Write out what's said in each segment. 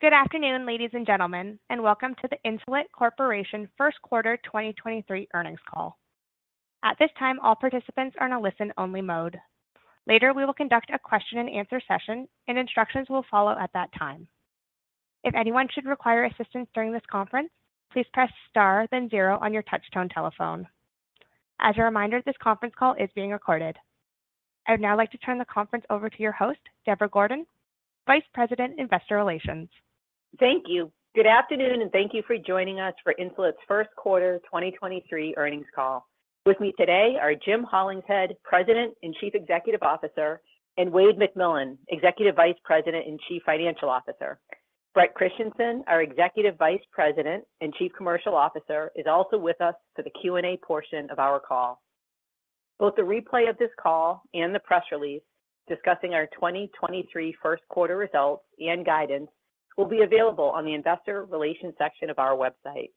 Good afternoon, ladies and gentlemen, and welcome to the Insulet Corporation Q1 2023 earnings call. At this time, all participants are in a listen-only mode. Later, we will conduct a question-and-answer session, and instructions will follow at that time. If anyone should require assistance during this conference, please press star then zero on your touchtone telephone. As a reminder, this conference call is being recorded. I'd now like to turn the conference over to your host, Deborah Gordon, Vice President, Investor Relations. Thank you. Good afternoon, and thank you for joining us for Insulet's 1st quarter 2023 earnings call. With me today are Jim Hollingshead, President and Chief Executive Officer, and Wayde McMillan, Executive Vice President and Chief Financial Officer. Bret Christensen, our Executive Vice President and Chief Commercial Officer, is also with us for the Q&A portion of our call. Both the replay of this call and the press release discussing our 2023 1st quarter results and guidance will be available on the Investor Relations section of our website.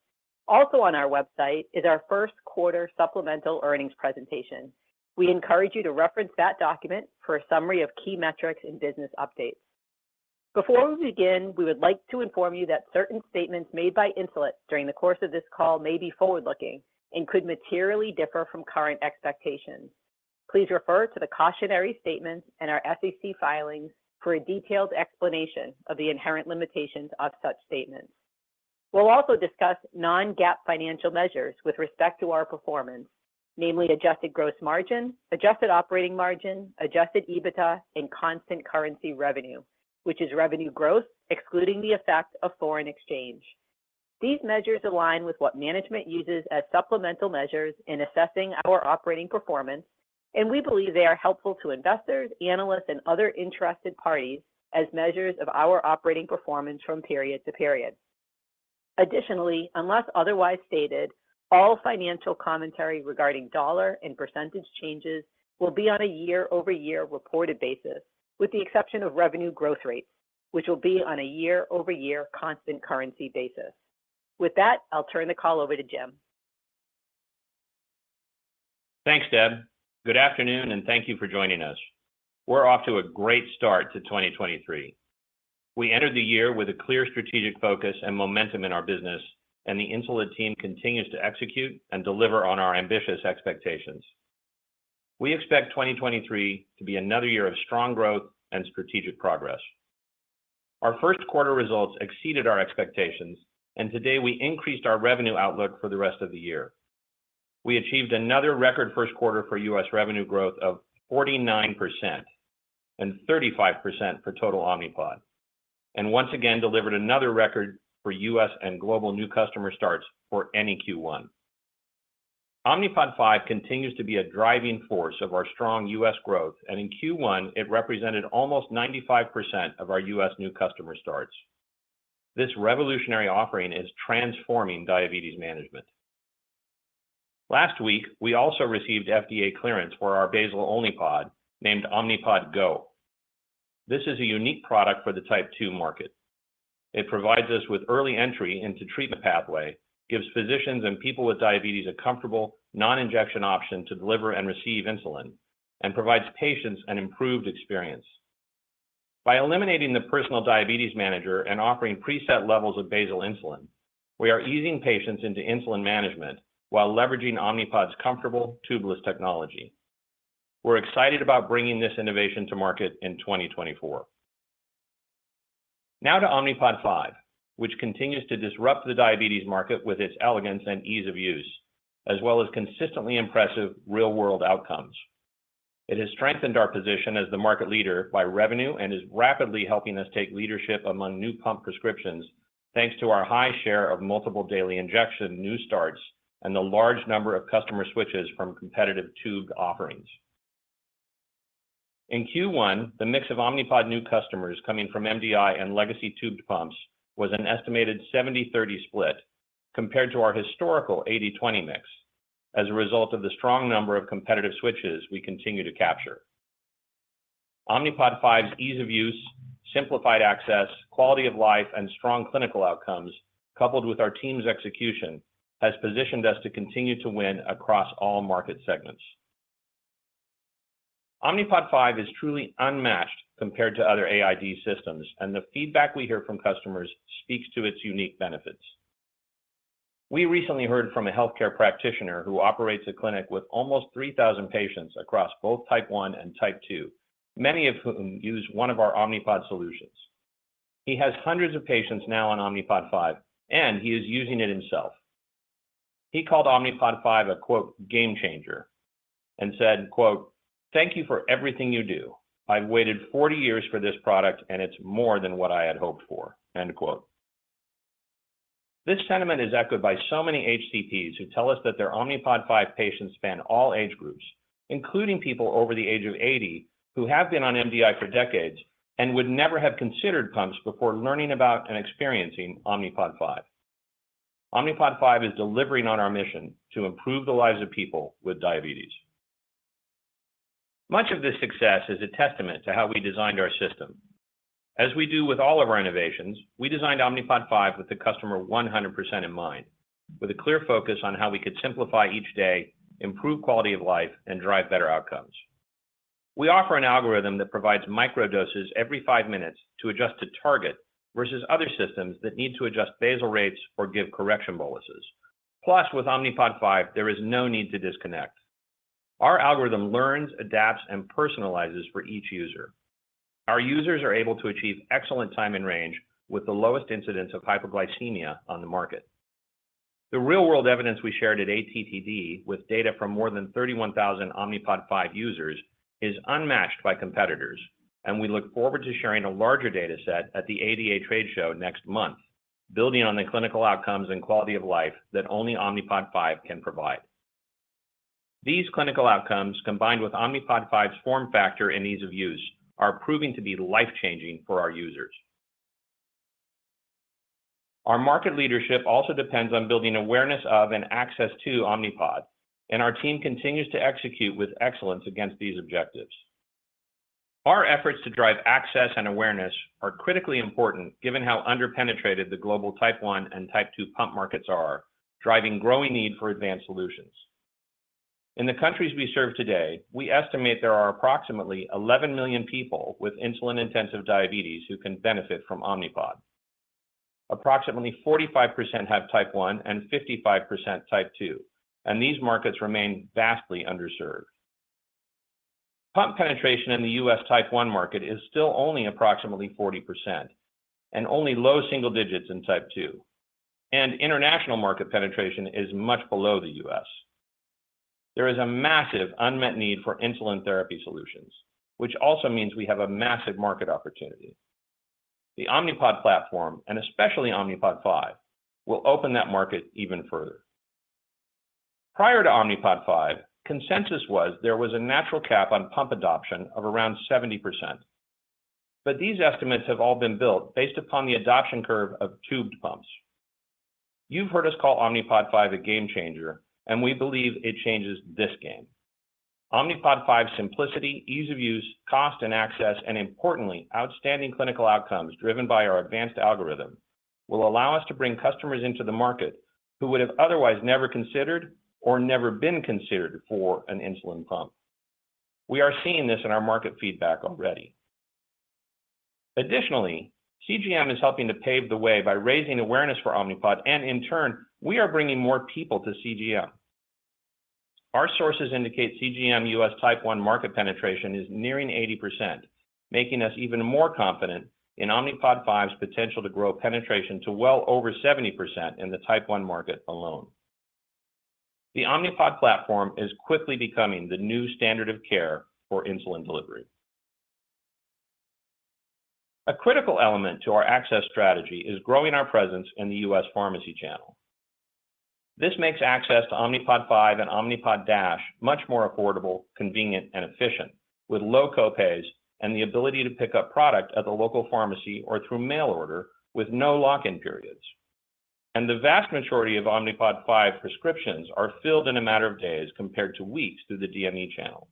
Also on our website is our 1st quarter supplemental earnings presentation. We encourage you to reference that document for a summary of key metrics and business updates. Before we begin, we would like to inform you that certain statements made by Insulet during the course of this call may be forward-looking and could materially differ from current expectations. Please refer to the cautionary statements in our SEC filings for a detailed explanation of the inherent limitations of such statements. We'll also discuss non-GAAP financial measures with respect to our performance, namely adjusted gross margin, adjusted operating margin, Adjusted EBITDA, and constant currency revenue, which is revenue growth excluding the effect of foreign exchange. These measures align with what management uses as supplemental measures in assessing our operating performance, and we believe they are helpful to investors, analysts, and other interested parties as measures of our operating performance from period to period. Additionally, unless otherwise stated, all financial commentary regarding dollar and % changes will be on a year-over-year reported basis, with the exception of revenue growth rates, which will be on a year-over-year constant currency basis. With that, I'll turn the call over to Jim. Thanks, Deb. Good afternoon, thank you for joining us. We're off to a great start to 2023. We entered the year with a clear strategic focus and momentum in our business, the Insulet team continues to execute and deliver on our ambitious expectations. We expect 2023 to be another year of strong growth and strategic progress. Our Q1 results exceeded our expectations, today we increased our revenue outlook for the rest of the year. We achieved another record Q1 for U.S. revenue growth of 49% and 35% for total Omnipod, once again delivered another record for U.S. and global new customer starts for any Q1. Omnipod 5 continues to be a driving force of our strong U.S. growth, in Q1, it represented almost 95% of our U.S. new customer starts. This revolutionary offering is transforming diabetes management. Last week, we also received FDA clearance for our basal-only Pod, named Omnipod GO. This is a unique product for the type 2 market. It provides us with early entry into treatment pathway, gives physicians and people with diabetes a comfortable, non-injection option to deliver and receive insulin, and provides patients an improved experience. By eliminating the Personal Diabetes Manager and offering preset levels of basal insulin, we are easing patients into insulin management while leveraging Omnipod's comfortable tubeless technology. We're excited about bringing this innovation to market in 2024. Now to Omnipod 5, which continues to disrupt the diabetes market with its elegance and ease of use, as well as consistently impressive real-world outcomes. It has strengthened our position as the market leader by revenue and is rapidly helping us take leadership among new pump prescriptions, thanks to our high share of multiple daily injection new starts and the large number of customer switches from competitive tubed offerings. In Q1, the mix of Omnipod new customers coming from MDI and legacy tubed pumps was an estimated 70/30 split compared to our historical 80/20 mix as a result of the strong number of competitive switches we continue to capture. Omnipod 5's ease of use, simplified access, quality of life, and strong clinical outcomes, coupled with our team's execution, has positioned us to continue to win across all market segments. Omnipod 5 is truly unmatched compared to other AID systems, and the feedback we hear from customers speaks to its unique benefits. We recently heard from a healthcare practitioner who operates a clinic with almost 3,000 patients across both type one and type two, many of whom use one of our Omnipod solutions. He has hundreds of patients now on Omnipod 5, and he is using it himself. He called Omnipod 5 a, quote, "game changer" and said, quote, "Thank you for everything you do. I've waited 40 years for this product, and it's more than what I had hoped for." End quote. This sentiment is echoed by so many HCPs who tell us that their Omnipod 5 patients span all age groups, including people over the age of 80 who have been on MDI for decades and would never have considered pumps before learning about and experiencing Omnipod 5. Omnipod 5 is delivering on our mission to improve the lives of people with diabetes. Much of this success is a testament to how we designed our system. As we do with all of our innovations, we designed Omnipod 5 with the customer 100% in mind, with a clear focus on how we could simplify each day, improve quality of life, and drive better outcomes. We offer an algorithm that provides microdoses every 5 minutes to adjust to target versus other systems that need to adjust basal rates or give correction boluses. Plus, with Omnipod 5, there is no need to disconnect. Our algorithm learns, adapts, and personalizes for each user. Our users are able to achieve excellent time and range with the lowest incidence of hyperglycemia on the market. The real-world evidence we shared at ATTD with data from more than 31,000 Omnipod 5 users is unmatched by competitors, and we look forward to sharing a larger data set at the ADA trade show next month, building on the clinical outcomes and quality of life that only Omnipod 5 can provide. These clinical outcomes, combined with Omnipod 5's form factor and ease of use, are proving to be life-changing for our users. Our market leadership also depends on building awareness of and access to Omnipod, and our team continues to execute with excellence against these objectives. Our efforts to drive access and awareness are critically important given how underpenetrated the global type 1 and type 2 pump markets are, driving growing need for advanced solutions. In the countries we serve today, we estimate there are approximately 11 million people with insulin-intensive diabetes who can benefit from Omnipod. Approximately 45% have type 1 and 55% type 2, and these markets remain vastly underserved. Pump penetration in the U.S. type 1 market is still only approximately 40%, and only low single digits in type 2, and international market penetration is much below the U.S. There is a massive unmet need for insulin therapy solutions, which also means we have a massive market opportunity. The Omnipod platform, and especially Omnipod 5, will open that market even further. Prior to Omnipod 5, consensus was there was a natural cap on pump adoption of around 70%, but these estimates have all been built based upon the adoption curve of tubed pumps. You've heard us call Omnipod 5 a game changer, and we believe it changes this game. Omnipod 5's simplicity, ease of use, cost and access, and importantly, outstanding clinical outcomes driven by our advanced algorithm will allow us to bring customers into the market who would have otherwise never considered or never been considered for an insulin pump. We are seeing this in our market feedback already. CGM is helping to pave the way by raising awareness for Omnipod, and in turn, we are bringing more people to CGM. Our sources indicate CGM U.S. type 1 market penetration is nearing 80%, making us even more confident in Omnipod 5's potential to grow penetration to well over 70% in the type 1 market alone. The Omnipod platform is quickly becoming the new standard of care for insulin delivery. A critical element to our access strategy is growing our presence in the U.S. pharmacy channel. This makes access to Omnipod 5 and Omnipod DASH much more affordable, convenient, and efficient, with low co-pays and the ability to pick up product at the local pharmacy or through mail order with no lock-in periods. The vast majority of Omnipod 5 prescriptions are filled in a matter of days compared to weeks through the DME channel.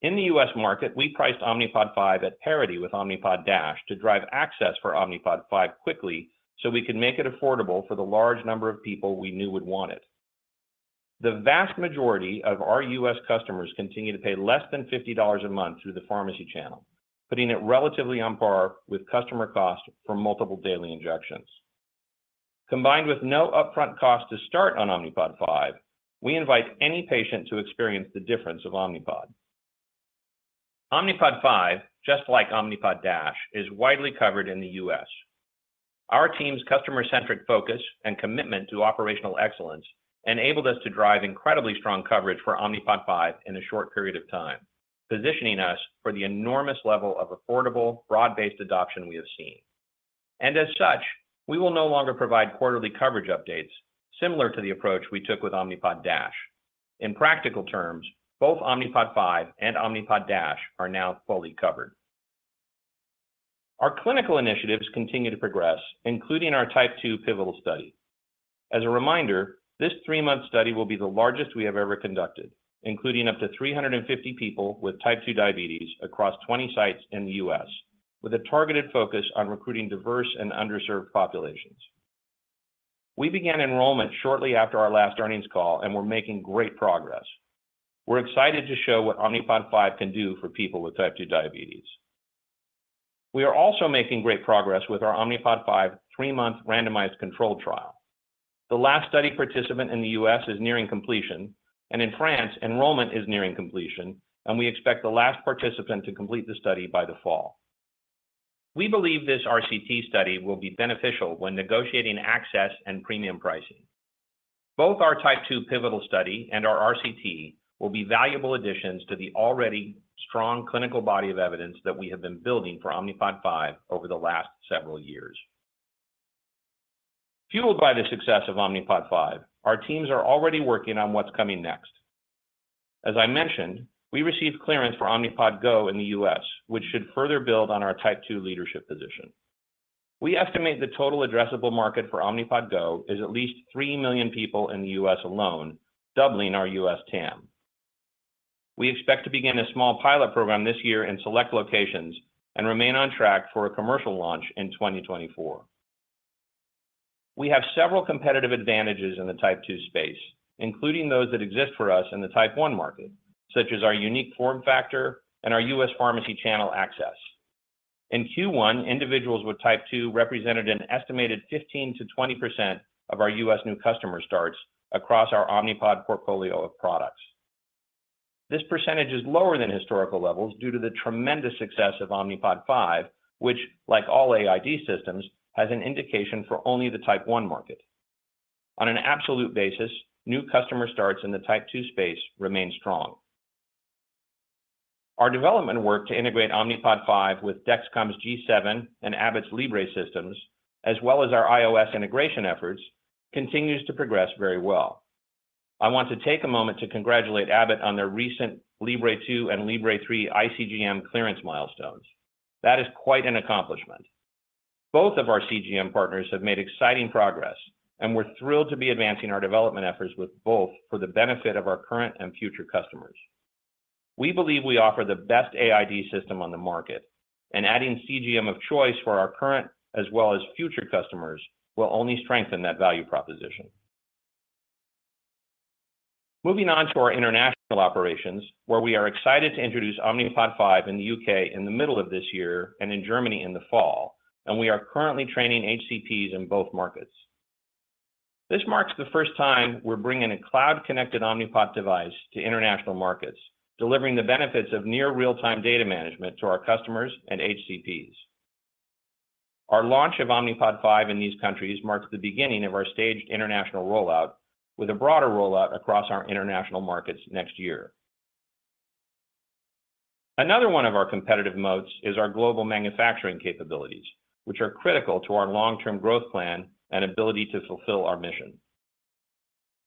In the U.S. market, we priced Omnipod 5 at parity with Omnipod DASH to drive access for Omnipod 5 quickly so we can make it affordable for the large number of people we knew would want it. The vast majority of our U.S. customers continue to pay less than $50 a month through the pharmacy channel, putting it relatively on par with customer costs for multiple daily injections. Combined with no upfront cost to start on Omnipod 5, we invite any patient to experience the difference of Omnipod. Omnipod 5, just like Omnipod DASH, is widely covered in the U.S. Our team's customer-centric focus and commitment to operational excellence enabled us to drive incredibly strong coverage for Omnipod 5 in a short period of time, positioning us for the enormous level of affordable, broad-based adoption we have seen. As such, we will no longer provide quarterly coverage updates, similar to the approach we took with Omnipod DASH. In practical terms, both Omnipod 5 and Omnipod DASH are now fully covered. Our clinical initiatives continue to progress, including our type 2 pivotal study. As a reminder, this three-month study will be the largest we have ever conducted, including up to 350 people with type 2 diabetes across 20 sites in the U.S., with a targeted focus on recruiting diverse and underserved populations. We began enrollment shortly after our last earnings call, we're making great progress. We're excited to show what Omnipod 5 can do for people with type 2 diabetes. We are also making great progress with our Omnipod 5 three-month randomized control trial. The last study participant in the U.S. is nearing completion, and in France, enrollment is nearing completion, and we expect the last participant to complete the study by the fall. We believe this RCT study will be beneficial when negotiating access and premium pricing. Both our type 2 pivotal study and our RCT will be valuable additions to the already strong clinical body of evidence that we have been building for Omnipod 5 over the last several years. Fueled by the success of Omnipod 5, our teams are already working on what's coming next. As I mentioned, we received clearance for Omnipod GO in the U.S., which should further build on our type 2 leadership position. We estimate the total addressable market for Omnipod GO is at least 3 million people in the U.S. alone, doubling our U.S. TAM. We expect to begin a small pilot program this year in select locations and remain on track for a commercial launch in 2024. We have several competitive advantages in the type two space, including those that exist for us in the type one market, such as our unique form factor and our U.S. pharmacy channel access. In Q1, individuals with type two represented an estimated 15%-20% of our U.S. new customer starts across our Omnipod portfolio of products. This percentage is lower than historical levels due to the tremendous success of Omnipod 5, which like all AID systems, has an indication for only the type one market. On an absolute basis, new customer starts in the type two space remains strong. Our development work to integrate Omnipod 5 with Dexcom's G7 and Abbott's Libre systems, as well as our iOS integration efforts, continues to progress very well. I want to take a moment to congratulate Abbott on their recent Libre 2 and Libre 3 ICGM clearance milestones. That is quite an accomplishment. Both of our CGM partners have made exciting progress. We're thrilled to be advancing our development efforts with both for the benefit of our current and future customers. We believe we offer the best AID system on the market. Adding CGM of choice for our current as well as future customers will only strengthen that value proposition. Moving on to our international operations, where we are excited to introduce Omnipod 5 in the U.K. in the middle of this year and in Germany in the fall. We are currently training HCPs in both markets. This marks the first time we're bringing a cloud-connected Omnipod device to international markets, delivering the benefits of near real-time data management to our customers and HCPs. Our launch of Omnipod 5 in these countries marks the beginning of our staged international rollout with a broader rollout across our international markets next year. Another one of our competitive moats is our global manufacturing capabilities, which are critical to our long-term growth plan and ability to fulfill our mission.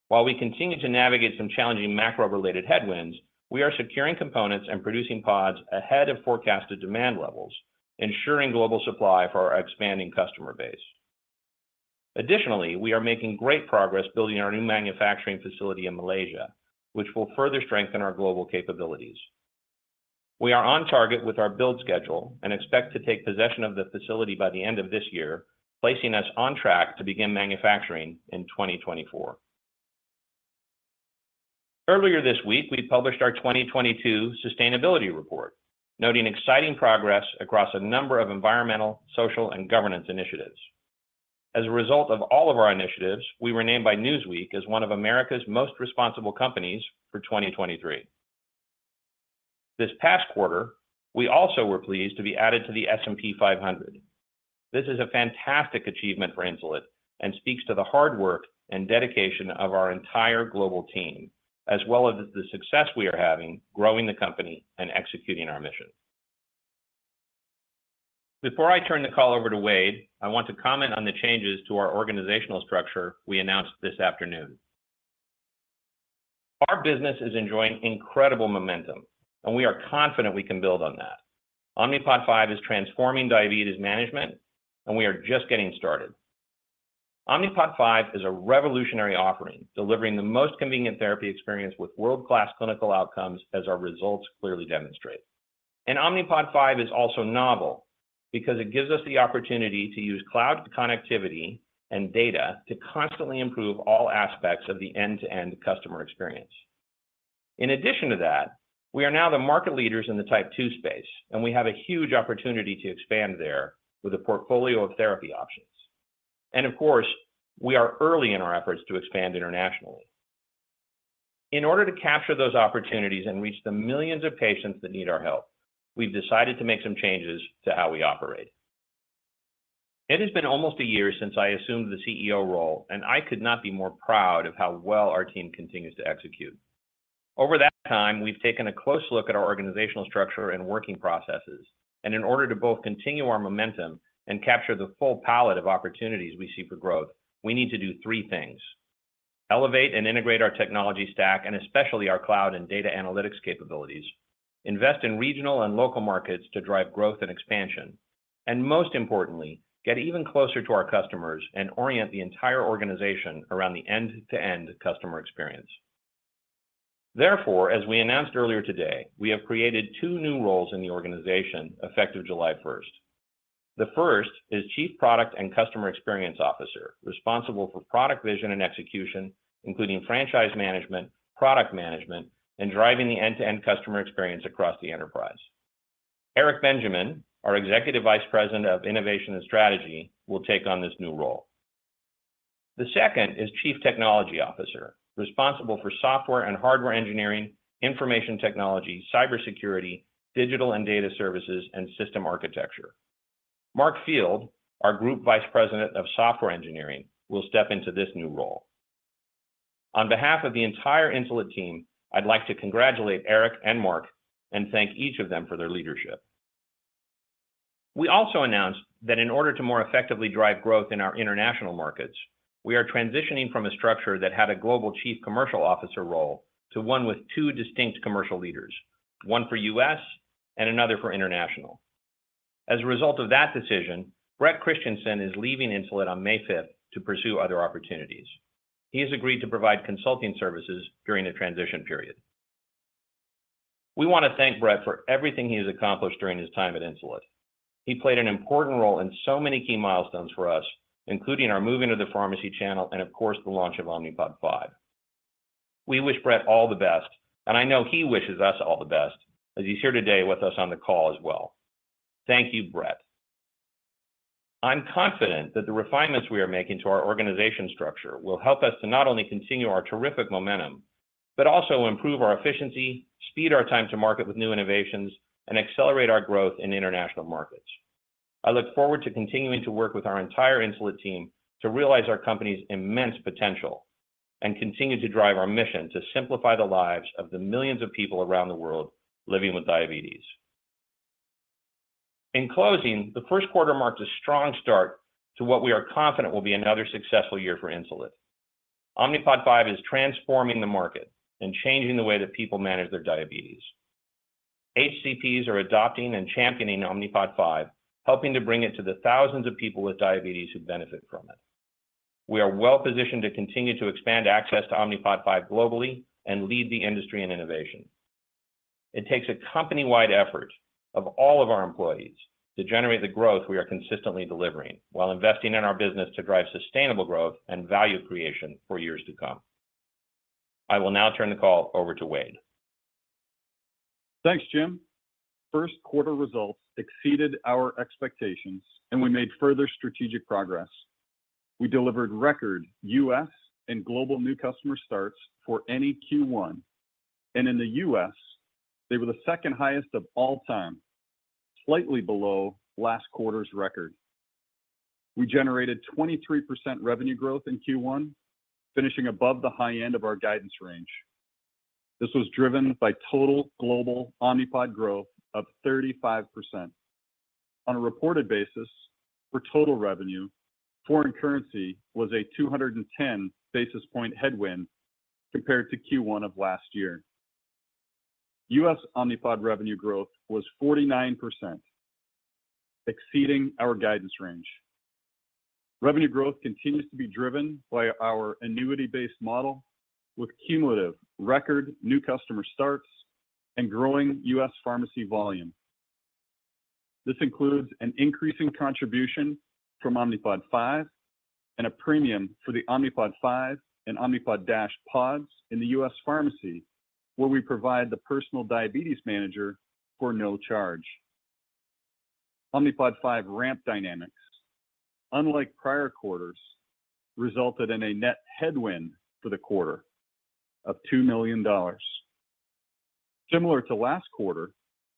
While we continue to navigate some challenging macro-related headwinds, we are securing components and producing pods ahead of forecasted demand levels, ensuring global supply for our expanding customer base. Additionally, we are making great progress building our new manufacturing facility in Malaysia, which will further strengthen our global capabilities. We are on target with our build schedule and expect to take possession of the facility by the end of this year, placing us on track to begin manufacturing in 2024. Earlier this week, we published our 2022 sustainability report, noting exciting progress across a number of environmental, social, and governance initiatives. As a result of all of our initiatives, we were named by Newsweek as one of America's most responsible companies for 2023. This past quarter, we also were pleased to be added to the S&P 500. This is a fantastic achievement for Insulet and speaks to the hard work and dedication of our entire global team, as well as the success we are having growing the company and executing our mission. Before I turn the call over to Wayde, I want to comment on the changes to our organizational structure we announced this afternoon. Our business is enjoying incredible momentum, and we are confident we can build on that. Omnipod 5 is transforming diabetes management, and we are just getting started. Omnipod 5 is a revolutionary offering, delivering the most convenient therapy experience with world-class clinical outcomes as our results clearly demonstrate. Omnipod 5 is also novel because it gives us the opportunity to use cloud connectivity and data to constantly improve all aspects of the end-to-end customer experience. In addition to that, we are now the market leaders in the type 2 space, and we have a huge opportunity to expand there with a portfolio of therapy options. Of course, we are early in our efforts to expand internationally. In order to capture those opportunities and reach the millions of patients that need our help, we've decided to make some changes to how we operate. It has been almost a year since I assumed the CEO role, and I could not be more proud of how well our team continues to execute. Over that time, we've taken a close look at our organizational structure and working processes, and in order to both continue our momentum and capture the full palette of opportunities we see for growth, we need to do three things: elevate and integrate our technology stack, and especially our cloud and data analytics capabilities, invest in regional and local markets to drive growth and expansion, and most importantly, get even closer to our customers and orient the entire organization around the end-to-end customer experience. Therefore, as we announced earlier today, we have created two new roles in the organization effective July first. The first is Chief Product and Customer Experience Officer, responsible for product vision and execution, including franchise management, product management, and driving the end-to-end customer experience across the enterprise. Eric Benjamin, our Executive Vice President of Innovation and Strategy, will take on this new role. The second is Chief Technology Officer, responsible for software and hardware engineering, information technology, cybersecurity, digital and data services, and system architecture. Mark Field, our Group Vice President of Software Engineering, will step into this new role. On behalf of the entire Insulet team, I'd like to congratulate Eric and Mark and thank each of them for their leadership. We also announced that in order to more effectively drive growth in our international markets, we are transitioning from a structure that had a global chief commercial officer role to one with two distinct commercial leaders, one for U.S. and another for international. As a result of that decision, Bret Christensen is leaving Insulet on May 5th to pursue other opportunities. He has agreed to provide consulting services during the transition period. We want to thank Bret for everything he has accomplished during his time at Insulet. He played an important role in so many key milestones for us, including our move into the pharmacy channel and of course, the launch of Omnipod 5. We wish Bret all the best, and I know he wishes us all the best as he's here today with us on the call as well. Thank you, Bret. I'm confident that the refinements we are making to our organization structure will help us to not only continue our terrific momentum, but also improve our efficiency, speed our time to market with new innovations, and accelerate our growth in international markets. I look forward to continuing to work with our entire Insulet team to realize our company's immense potential and continue to drive our mission to simplify the lives of the millions of people around the world living with diabetes. In closing, the Q1 marks a strong start to what we are confident will be another successful year for Insulet. Omnipod 5 is transforming the market and changing the way that people manage their diabetes. HCPs are adopting and championing Omnipod 5, helping to bring it to the thousands of people with diabetes who benefit from it. We are well positioned to continue to expand access to Omnipod 5 globally and lead the industry in innovation. It takes a company-wide effort of all of our employees to generate the growth we are consistently delivering while investing in our business to drive sustainable growth and value creation for years to come. I will now turn the call over to Wayde. Thanks, Jim. Q1 results exceeded our expectations. We made further strategic progress. We delivered record U.S. and global new customer starts for any Q1. In the U.S., they were the second highest of all time, slightly below last quarter's record. We generated 23% revenue growth in Q1, finishing above the high end of our guidance range. This was driven by total global Omnipod growth of 35%. On a reported basis for total revenue, foreign currency was a 210 basis point headwind compared to Q1 of last year. U.S. Omnipod revenue growth was 49%, exceeding our guidance range. Revenue growth continues to be driven by our annuity-based model with cumulative record new customer starts and growing U.S. pharmacy volume. This includes an increasing contribution from Omnipod 5 and a premium for the Omnipod 5 and Omnipod DASH pods in the U.S. pharmacy, where we provide the Personal Diabetes Manager for no charge. Omnipod 5 ramp dynamics, unlike prior quarters, resulted in a net headwind for the quarter of $2 million. Similar to last quarter,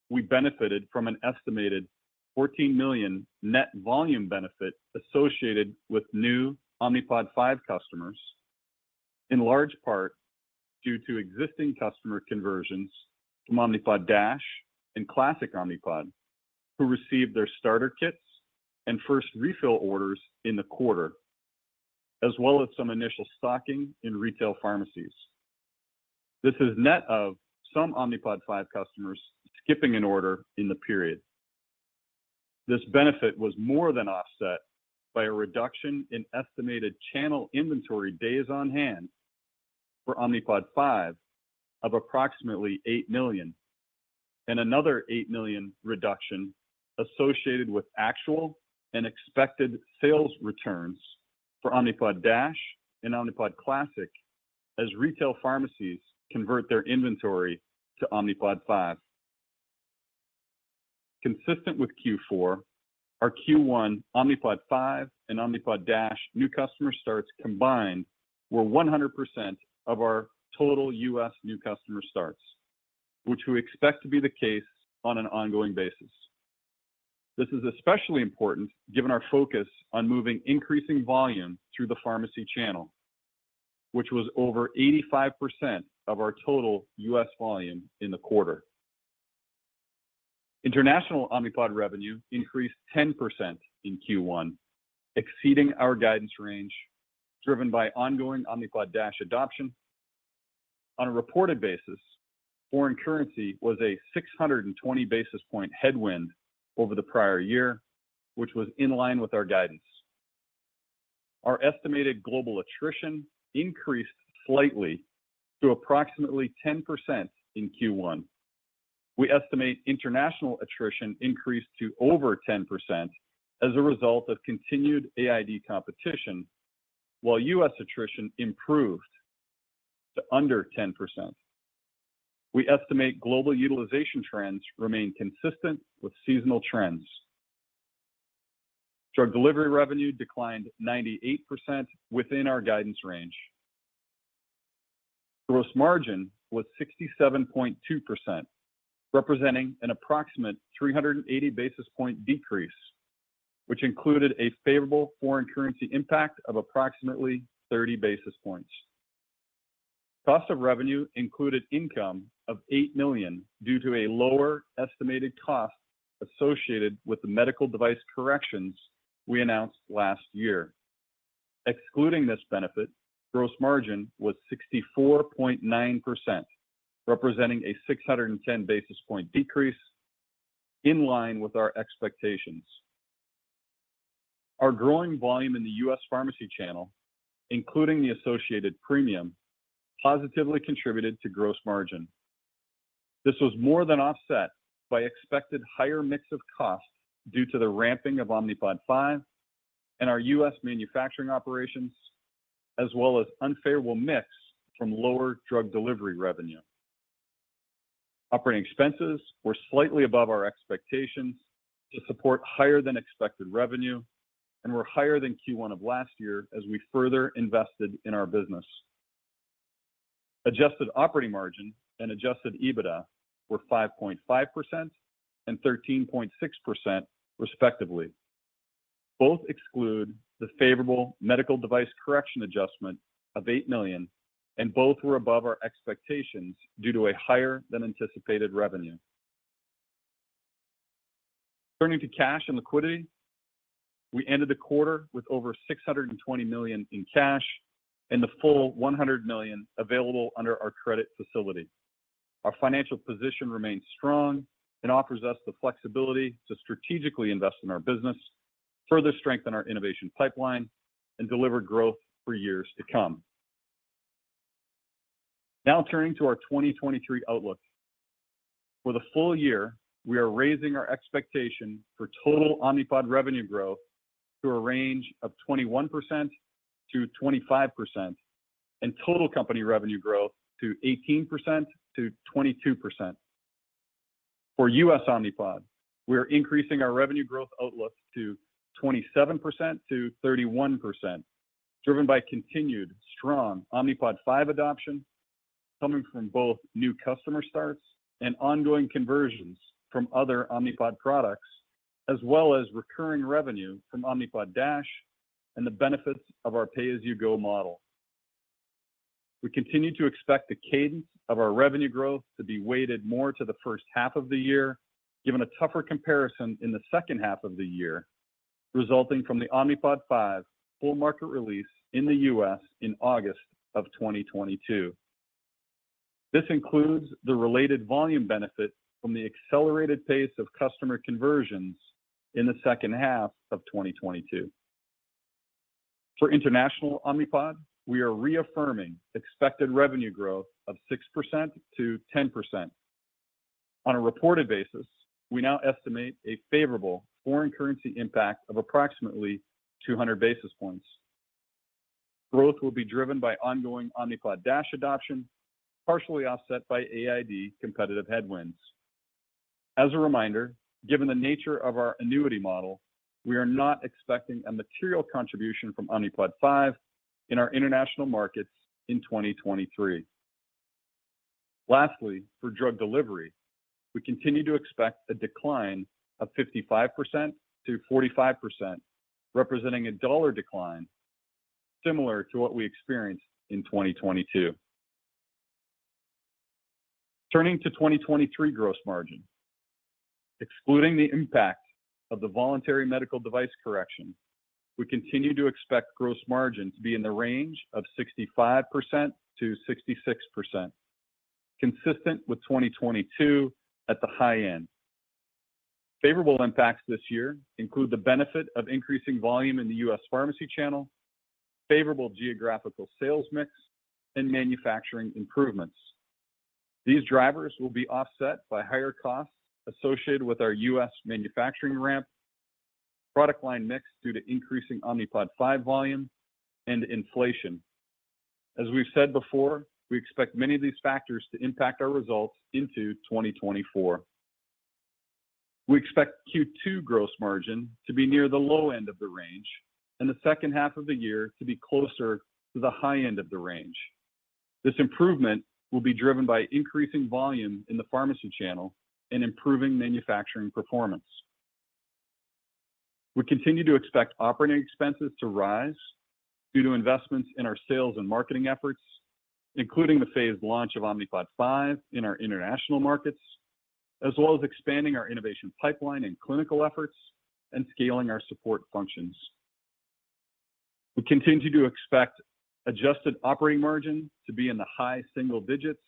we benefited from an estimated $14 million net volume benefit associated with new Omnipod 5 customers, in large part due to existing customer conversions from Omnipod DASH and Classic Omnipod who received their starter kits and first refill orders in the quarter, as well as some initial stocking in retail pharmacies. This is net of some Omnipod 5 customers skipping an order in the period. This benefit was more than offset by a reduction in estimated channel inventory days on hand for Omnipod 5 of approximately $8 million and another $8 million reduction associated with actual and expected sales returns for Omnipod DASH and Omnipod Classic as retail pharmacies convert their inventory to Omnipod 5. Consistent with Q4, our Q1 Omnipod 5 and Omnipod DASH new customer starts combined were 100% of our total U.S. new customer starts, which we expect to be the case on an ongoing basis. This is especially important given our focus on moving increasing volume through the pharmacy channel, which was over 85% of our total U.S. volume in the quarter. International Omnipod revenue increased 10% in Q1, exceeding our guidance range, driven by ongoing Omnipod DASH adoption. On a reported basis, foreign currency was a 620 basis point headwind over the prior year, which was in line with our guidance. Our estimated global attrition increased slightly to approximately 10% in Q1. We estimate international attrition increased to over 10% as a result of continued AID competition, while U.S. attrition improved to under 10%. We estimate global utilization trends remain consistent with seasonal trends. Drug delivery revenue declined 98% within our guidance range. Gross margin was 67.2%, representing an approximate 380 basis point decrease, which included a favorable foreign currency impact of approximately 30 basis points. Cost of revenue included income of $8 million due to a lower estimated cost associated with the medical device corrections we announced last year. Excluding this benefit, gross margin was 64.9%, representing a 610 basis point decrease in line with our expectations. Our growing volume in the U.S. pharmacy channel, including the associated premium, positively contributed to gross margin. This was more than offset by expected higher mix of costs due to the ramping of Omnipod 5 and our U.S. manufacturing operations, as well as unfavorable mix from lower drug delivery revenue. Operating expenses were slightly above our expectations to support higher than expected revenue and were higher than Q1 of last year as we further invested in our business. Adjusted operating margin and Adjusted EBITDA were 5.5% and 13.6%, respectively. Both exclude the favorable medical device correction adjustment of $8 million. Both were above our expectations due to a higher than anticipated revenue. Turning to cash and liquidity, we ended the quarter with over $620 million in cash and the full $100 million available under our credit facility. Our financial position remains strong and offers us the flexibility to strategically invest in our business, further strengthen our innovation pipeline and deliver growth for years to come. Turning to our 2023 outlook. For the full year, we are raising our expectation for total Omnipod revenue growth to a range of 21%-25%, and total company revenue growth to 18%-22%. For U.S. Omnipod, we are increasing our revenue growth outlook to 27%-31%, driven by continued strong Omnipod 5 adoption coming from both new customer starts and ongoing conversions from other Omnipod products, as well as recurring revenue from Omnipod DASH and the benefits of our pay-as-you-go model. We continue to expect the cadence of our revenue growth to be weighted more to the first half of the year, given a tougher comparison in the second half of the year, resulting from the Omnipod 5 full market release in the U.S. in August of 2022. This includes the related volume benefit from the accelerated pace of customer conversions in the second half of 2022. For international Omnipod, we are reaffirming expected revenue growth of 6%-10%. On a reported basis, we now estimate a favorable foreign currency impact of approximately 200 basis points. Growth will be driven by ongoing Omnipod DASH adoption, partially offset by AID competitive headwinds. As a reminder, given the nature of our annuity model, we are not expecting a material contribution from Omnipod 5 in our international markets in 2023. Lastly, for drug delivery, we continue to expect a decline of 55% to 45%, representing a dollar decline similar to what we experienced in 2022. Turning to 2023 gross margin. Excluding the impact of the voluntary medical device correction, we continue to expect gross margin to be in the range of 65%-66%, consistent with 2022 at the high end. Favorable impacts this year include the benefit of increasing volume in the U.S. pharmacy channel, favorable geographical sales mix, and manufacturing improvements. These drivers will be offset by higher costs associated with our U.S. manufacturing ramp, product line mix due to increasing Omnipod 5 volume and inflation. As we've said before, we expect many of these factors to impact our results into 2024. We expect Q2 gross margin to be near the low end of the range and the second half of the year to be closer to the high end of the range. This improvement will be driven by increasing volume in the pharmacy channel and improving manufacturing performance. We continue to expect operating expenses to rise due to investments in our sales and marketing efforts, including the phased launch of Omnipod 5 in our international markets, as well as expanding our innovation pipeline and clinical efforts and scaling our support functions. We continue to expect adjusted operating margin to be in the high single digits,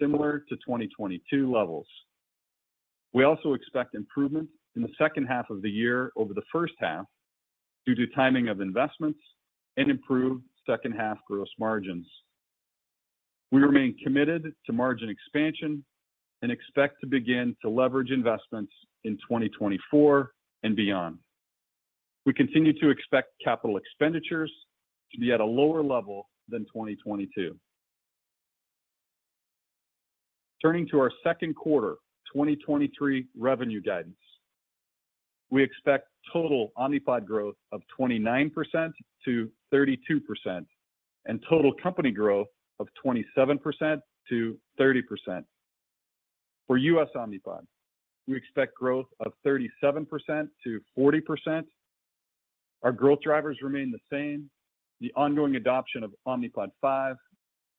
similar to 2022 levels. We also expect improvement in the second half of the year over the first half due to timing of investments and improved second half gross margins. We remain committed to margin expansion and expect to begin to leverage investments in 2024 and beyond. We continue to expect capital expenditures to be at a lower level than 2022. Turning to our Q2 2023 revenue guidance. We expect total Omnipod growth of 29%-32%, and total company growth of 27%-30%. For U.S. Omnipod, we expect growth of 37%-40%. Our growth drivers remain the same. The ongoing adoption of Omnipod 5,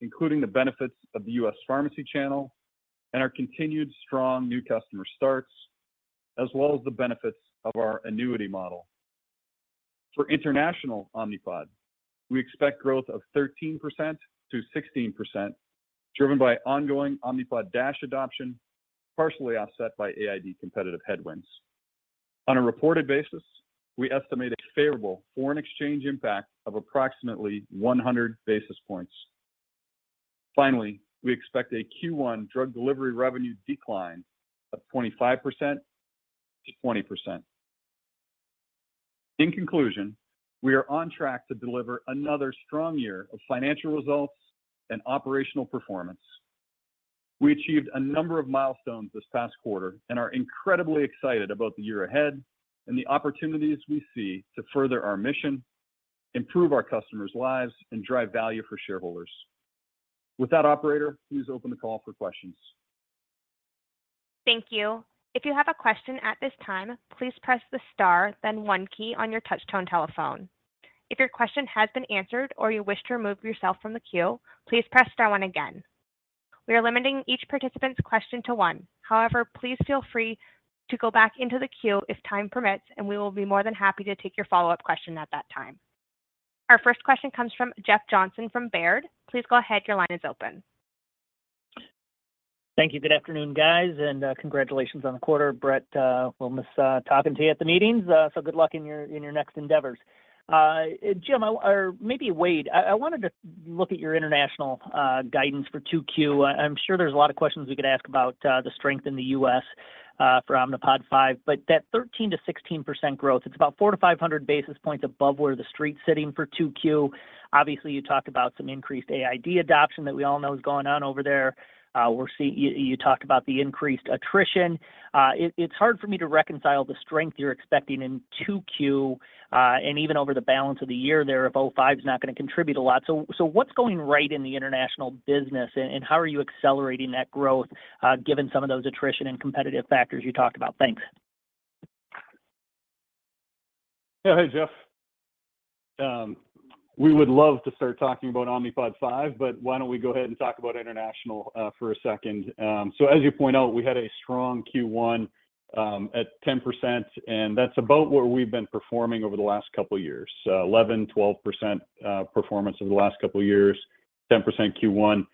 including the benefits of the U.S. pharmacy channel and our continued strong new customer starts, as well as the benefits of our annuity model. For international Omnipod, we expect growth of 13%-16%, driven by ongoing Omnipod DASH adoption. Partially offset by AID competitive headwinds. On a reported basis, we estimate a favorable foreign exchange impact of approximately 100 basis points. Finally, we expect a Q1 drug delivery revenue decline of 20%-25%. In conclusion, we are on track to deliver another strong year of financial results and operational performance. We achieved a number of milestones this past quarter and are incredibly excited about the year ahead and the opportunities we see to further our mission, improve our customers' lives, and drive value for shareholders. With that, operator, please open the call for questions. Thank you. If you have a question at this time, please press the star then one key on your touch tone telephone. If your question has been answered or you wish to remove yourself from the queue, please press star one again. We are limiting each participant's question to one. However, please feel free to go back into the queue if time permits, and we will be more than happy to take your follow-up question at that time. Our first question comes from Jeff Johnson from Baird. Please go ahead. Your line is open. Thank you. Good afternoon, guys, and congratulations on the quarter. Bret, we'll miss talking to you at the meetings, so good luck in your next endeavors. Jim or maybe Wayde, I wanted to look at your international guidance for 2Q. I'm sure there's a lot of questions we could ask about the strength in the U.S. for Omnipod 5, but that 13%-16% growth, it's about 400-500 basis points above where the street's sitting for 2Q. Obviously, you talked about some increased AID adoption that we all know is going on over there. You talked about the increased attrition. It's hard for me to reconcile the strength you're expecting in 2Q, and even over the balance of the year there if 0-5 is not gonna contribute a lot. What's going right in the international business and how are you accelerating that growth, given some of those attrition and competitive factors you talked about? Thanks. Yeah. Hey, Jeff. We would love to start talking about Omnipod 5, why don't we go ahead and talk about international for a second. As you point out, we had a strong Q1 at 10%, that's about where we've been performing over the last couple of years. 11%, 12% performance over the last couple of years, 10% Q1.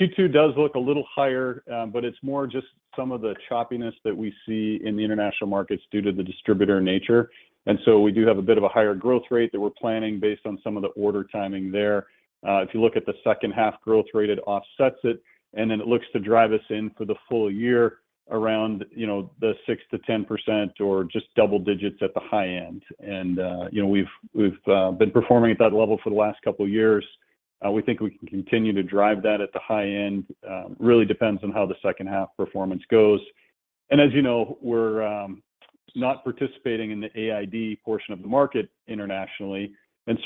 Q2 does look a little higher, it's more just some of the choppiness that we see in the international markets due to the distributor nature. We do have a bit of a higher growth rate that we're planning based on some of the order timing there. If you look at the second half growth rate, it offsets it, and then it looks to drive us in for the full year around, you know, the 6%-10% or just double digits at the high end. You know, we've been performing at that level for the last couple of years. We think we can continue to drive that at the high end. Really depends on how the second half performance goes. As you know, we're not participating in the AID portion of the market internationally.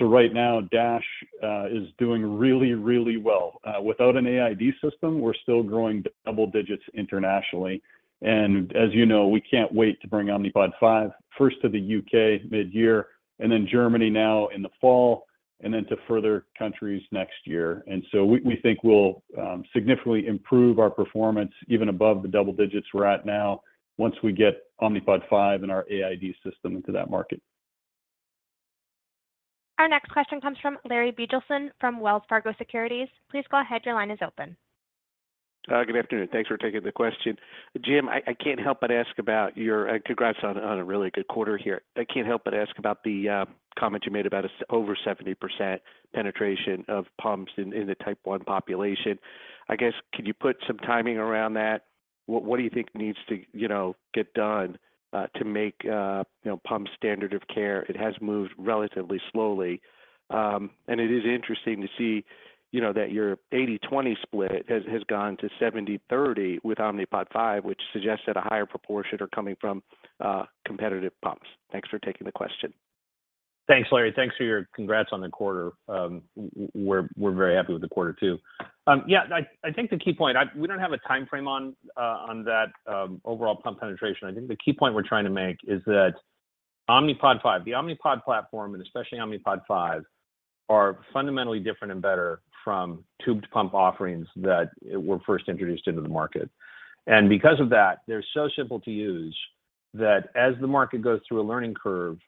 Right now, Dash is doing really, really well. Without an AID system, we're still growing double digits internationally. As you know, we can't wait to bring Omnipod 5 first to the U.K. mid-year, and then Germany now in the fall, and then to further countries next year. We think we'll significantly improve our performance even above the double digits we're at now once we get Omnipod 5 and our AID system into that market. Our next question comes from Larry Biegelsen from Wells Fargo Securities. Please go ahead. Your line is open. Good afternoon. Thanks for taking the question. Jim, I can't help but ask about congrats on a really good quarter here. I can't help but ask about the comment you made about over 70% penetration of pumps in the Type 1 population. I guess, could you put some timing around that? What do you think needs to, you know, get done to make, you know, pump standard of care? It has moved relatively slowly. It is interesting to see, you know, that your 80-20 split has gone to 70-30 with Omnipod 5, which suggests that a higher proportion are coming from competitive pumps. Thanks for taking the question. Thanks, Larry. Thanks for your congrats on the quarter. we're very happy with the quarter too. Yeah, I think the key point we don't have a timeframe on that overall pump penetration. I think the key point we're trying to make is that Omnipod 5, the Omnipod platform, and especially Omnipod 5, are fundamentally different and better from tubed pump offerings that were first introduced into the market. Because of that, they're so simple to use that as the market goes through a learning curve,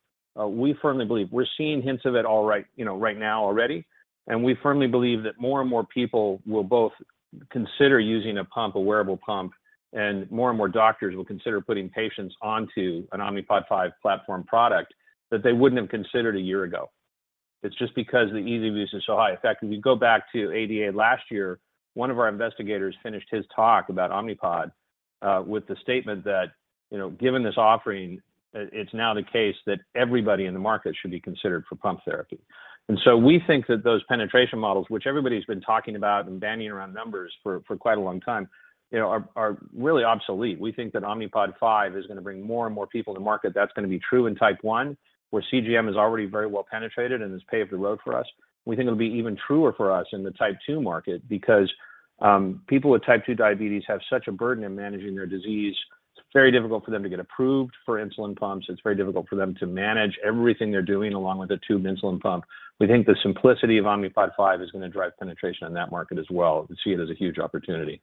we firmly believe we're seeing hints of it all right, you know, right now already. We firmly believe that more and more people will both consider using a pump, a wearable pump, and more and more doctors will consider putting patients onto an Omnipod 5 platform product that they wouldn't have considered a year ago. It's just because the ease of use is so high. In fact, if you go back to ADA last year, one of our investigators finished his talk about Omnipod, with the statement that, you know, given this offering, it's now the case that everybody in the market should be considered for pump therapy. We think that those penetration models, which everybody's been talking about and banding around numbers for quite a long time, you know, are really obsolete. We think that Omnipod 5 is gonna bring more and more people to market. That's gonna be true in type one, where CGM is already very well penetrated and has paved the road for us. We think it'll be even truer for us in the type two market because people with type two diabetes have such a burden in managing their disease. It's very difficult for them to get approved for insulin pumps. It's very difficult for them to manage everything they're doing along with a tubed insulin pump. We think the simplicity of Omnipod 5 is gonna drive penetration in that market as well and see it as a huge opportunity.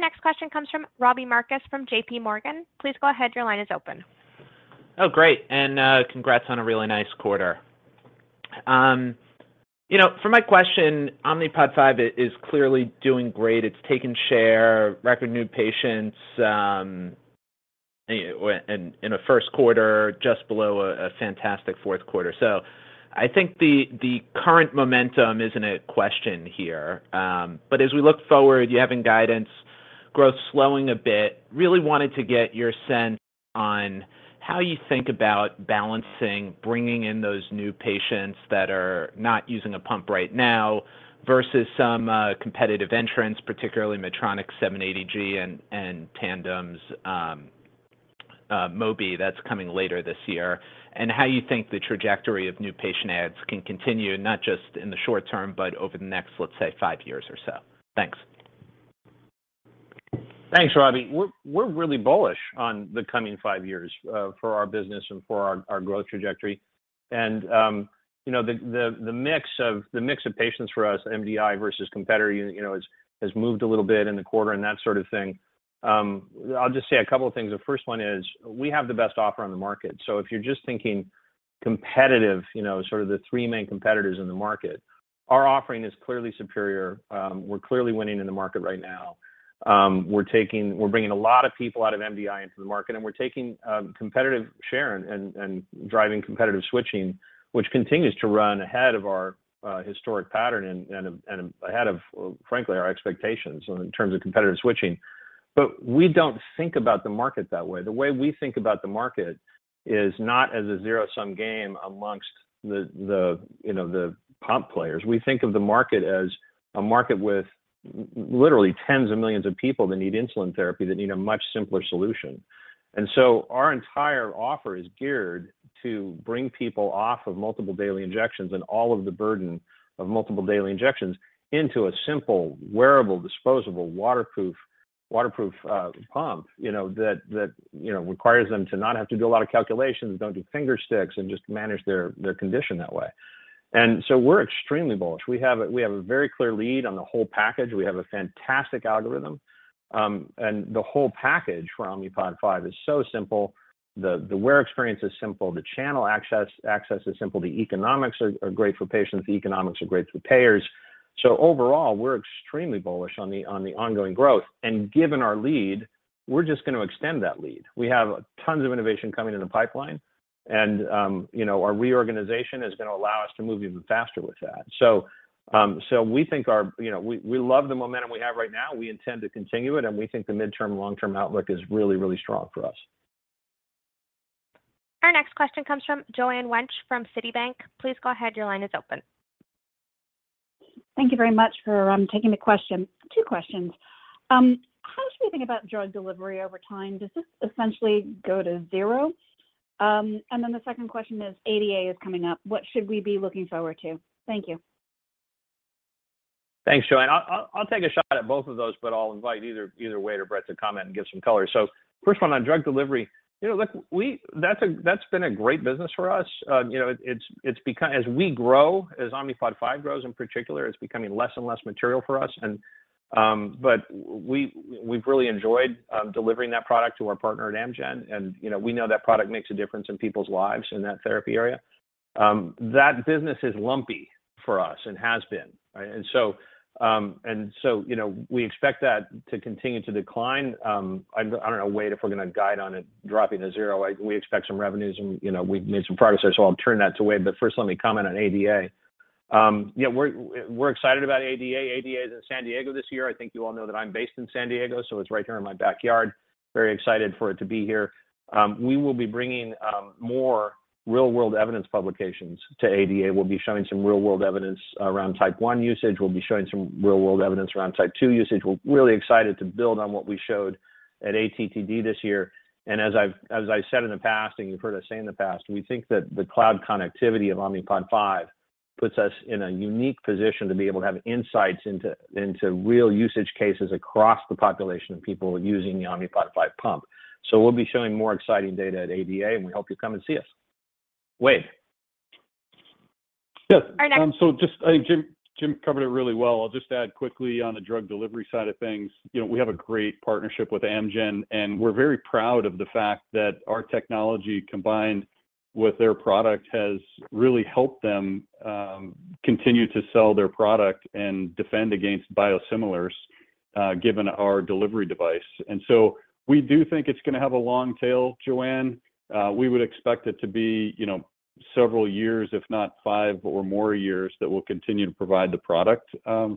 Next question comes from Robbie Marcus from JPMorgan. Please go ahead, your line is open. Oh, great. Congrats on a really nice quarter. you know, for my question, Omnipod 5 is clearly doing great. It's taken share, record new patients, in a Q1 just below a fantastic Q4. I think the current momentum isn't a question here. but as we look forward, you having guidance, growth slowing a bit, really wanted to get your sense on how you think about balancing bringing in those new patients that are not using a pump right now versus some competitive entrants, particularly Medtronic's 780G and Tandem's Mobi that's coming later this year. How you think the trajectory of new patient adds can continue not just in the short term but over the next, let's say, 5 years or so. Thanks. Thanks, Robbie. We're really bullish on the coming 5 years for our business and for our growth trajectory. The mix of patients for us, MDI versus competitor unit, you know, has moved a little bit in the quarter and that sort of thing. I'll just say a couple of things. The 1st one is we have the best offer on the market. If you're just thinking competitive, you know, sort of the 3 main competitors in the market, our offering is clearly superior. We're clearly winning in the market right now. We're bringing a lot of people out of MDI into the market, and we're taking competitive share and driving competitive switching, which continues to run ahead of our historic pattern and ahead of, frankly, our expectations in terms of competitive switching. We don't think about the market that way. The way we think about the market is not as a zero-sum game amongst the, you know, the pump players. We think of the market as a market with literally tens of millions of people that need insulin therapy, that need a much simpler solution. Our entire offer is geared to bring people off of multiple daily injections and all of the burden of multiple daily injections into a simple, wearable, disposable, waterproof pump, you know, that, you know, requires them to not have to do a lot of calculations, don't do finger sticks and just manage their condition that way. We're extremely bullish. We have a very clear lead on the whole package. We have a fantastic algorithm. The whole package for Omnipod 5 is so simple. The wear experience is simple. The channel access is simple. The economics are great for patients. The economics are great for payers. Overall, we're extremely bullish on the ongoing growth. Given our lead, we're just gonna extend that lead. We have tons of innovation coming in the pipeline. you know, our reorganization is gonna allow us to move even faster with that. we think you know, we love the momentum we have right now. We intend to continue it, and we think the midterm, long-term outlook is really, really strong for us. Our next question comes from Joanne Wuensch from Citigroup. Please go ahead. Your line is open. Thank you very much for taking the question. Two questions. How should we think about drug delivery over time? Does this essentially go to zero? Then the second question is ADA is coming up. What should we be looking forward to? Thank you. Thanks, Joanne. I'll take a shot at both of those, but I'll invite either Wayde or Bret to comment and give some color. First one on drug delivery. You know, look, that's been a great business for us. You know, it's become... As we grow, as Omnipod 5 grows, in particular, it's becoming less and less material for us and... but we've really enjoyed delivering that product to our partner at Amgen, and, you know, we know that product makes a difference in people's lives in that therapy area. That business is lumpy for us and has been, right? You know, we expect that to continue to decline. I don't know, Wayde, if we're gonna guide on it dropping to zero. We expect some revenues and, you know, we've made some progress there, so I'll turn that to Wayde. First let me comment on ADA. Yeah, we're excited about ADA. ADA is in San Diego this year. I think you all know that I'm based in San Diego, so it's right there in my backyard. Very excited for it to be here. We will be bringing more real-world evidence publications to ADA. We'll be showing some real-world evidence around type 1 usage. We'll be showing some real-world evidence around type 2 usage. We're really excited to build on what we showed at ATTD this year. As I've said in the past, and you've heard us say in the past, we think that the cloud connectivity of Omnipod 5 puts us in a unique position to be able to have insights into real usage cases across the population of people using the Omnipod 5 pump. We'll be showing more exciting data at ADA, and we hope you come and see us. Wayde? Yes. All right, next- Just I think Jim covered it really well. I'll just add quickly on the drug delivery side of things. You know, we have a great partnership with Amgen, we're very proud of the fact that our technology combined with their product has really helped them continue to sell their product and defend against biosimilars, given our delivery device. We do think it's gonna have a long tail, Joanne. We would expect it to be, you know, several years, if not 5 or more years, that we'll continue to provide the product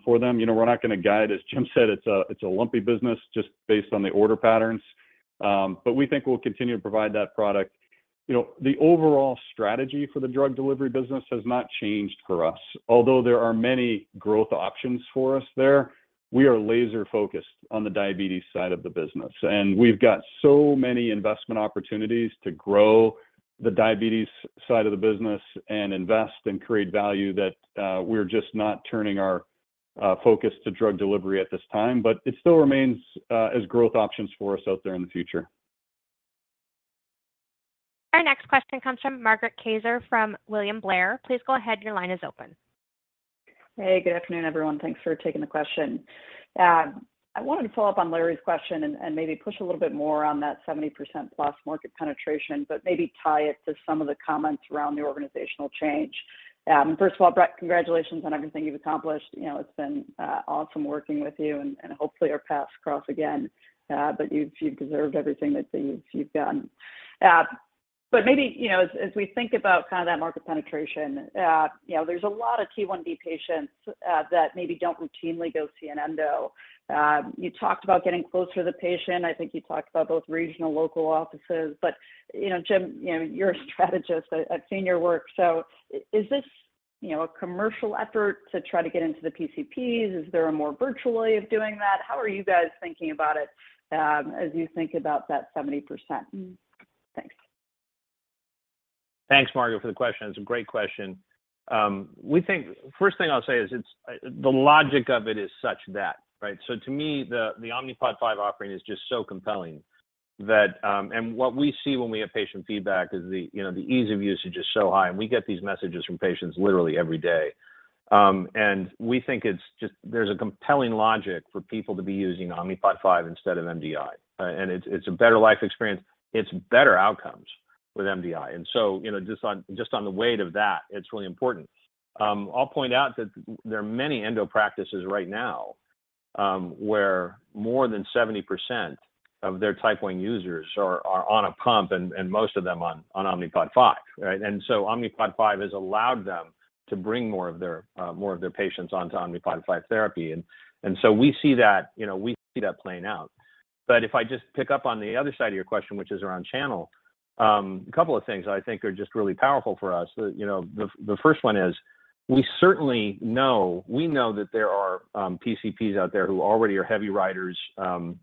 for them. You know, we're not gonna guide. As Jim said, it's a lumpy business just based on the order patterns. We think we'll continue to provide that product. You know, the overall strategy for the drug delivery business has not changed for us. Although there are many growth options for us there, we are laser-focused on the diabetes side of the business, and we've got so many investment opportunities to grow the diabetes side of the business and invest and create value that, we're just not turning our focus to drug delivery at this time. It still remains as growth options for us out there in the future. Our next question comes from Margaret Kaczor from William Blair. Please go ahead. Your line is open. Hey, good afternoon, everyone. Thanks for taking the question. I wanted to follow up on Larry Biegelsen's question and maybe push a little bit more on that 70% plus market penetration, but maybe tie it to some of the comments around the organizational change. First of all, Bret Christensen, congratulations on everything you've accomplished. You know, it's been awesome working with you, and hopefully our paths cross again. You deserve everything that you've gotten. Maybe, you know, as we think about kind of that market penetration, you know, there's a lot of T1D patients that maybe don't routinely go see an endo. You talked about getting closer to the patient. I think you talked about both regional local offices. You know, Jim Hollingshead, you know, you're a strategist. I've seen your work. Is this, you know, a commercial effort to try to get into the PCPs? Is there a more virtual way of doing that? How are you guys thinking about it, as you think about that 70%? Thanks. Thanks, Margaret, for the question. It's a great question. First thing I'll say is the logic of it is such that, right? To me, the Omnipod 5 offering is just so compelling that. What we see when we have patient feedback is, you know, the ease of use is just so high, and we get these messages from patients literally every day. We think there's a compelling logic for people to be using Omnipod 5 instead of MDI, and it's a better life experience. It's better outcomes with MDI. You know, just on the weight of that, it's really important. I'll point out that there are many endo practices right now, where more than 70% of their type one users are on a pump, and most of them on Omnipod 5, right? Omnipod 5 has allowed them to bring more of their patients onto Omnipod 5 therapy. We see that, you know, we see that playing out. If I just pick up on the other side of your question, which is around channel, a couple of things I think are just really powerful for us. The, you know, the first one is we certainly know, we know that there are PCPs out there who already are heavy writers,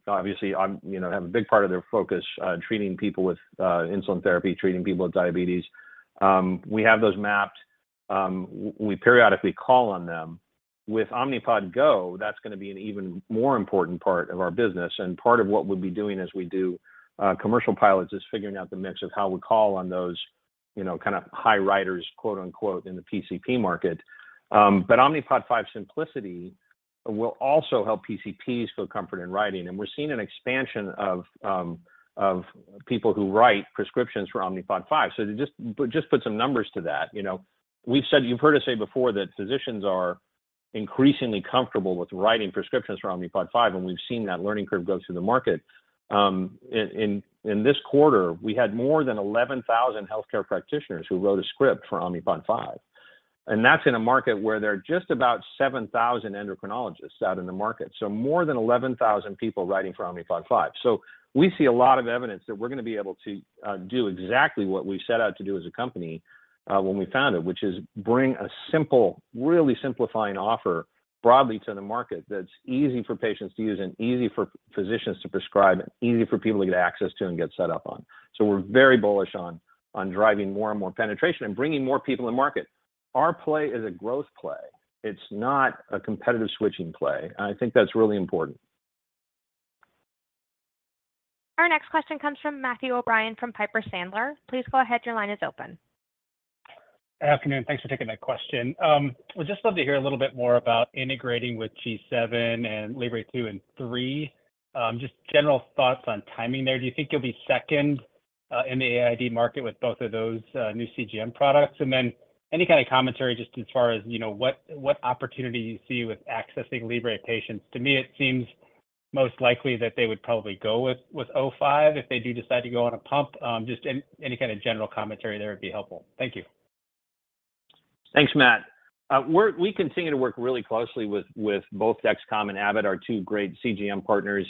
obviously on, you know, have a big part of their focus on treating people with insulin therapy, treating people with diabetes. We have those mapped. We periodically call on them. With Omnipod GO, that's gonna be an even more important part of our business. Part of what we'll be doing as we do commercial pilots is figuring out the mix of how we call on those, you know, kind of "high writers" quote-unquote in the PCP market. Omnipod 5 simplicity will also help PCPs feel comfort in writing. We're seeing an expansion of people who write prescriptions for Omnipod 5. To just put some numbers to that, you know, we've said you've heard us say before that physicians are increasingly comfortable with writing prescriptions for Omnipod 5, and we've seen that learning curve go through the market. In this quarter, we had more than 11,000 healthcare practitioners who wrote a script for Omnipod 5. That's in a market where there are just about 7,000 endocrinologists out in the market, more than 11,000 people writing for Omnipod 5. We see a lot of evidence that we're gonna be able to do exactly what we set out to do as a company, when we found it, which is bring a simple, really simplifying offer broadly to the market that's easy for patients to use and easy for physicians to prescribe, easy for people to get access to and get set up on. We're very bullish on driving more and more penetration and bringing more people in the market. Our play is a growth play. It's not a competitive switching play. I think that's really important. Our next question comes from Matthew O'Brien from Piper Sandler. Please go ahead. Your line is open. Afternoon. Thanks for taking my question. Would just love to hear a little bit more about integrating with G7 and Libre 2 and 3. Just general thoughts on timing there. Do you think you'll be second in the AID market with both of those new CGM products? Then any kind of commentary just as far as what opportunity you see with accessing Libre patients. To me, it seems most likely that they would probably go with Omnipod 5 if they do decide to go on a pump. Just any kind of general commentary there would be helpful. Thank you. Thanks, Matt. We continue to work really closely with both Dexcom and Abbott, our two great CGM partners.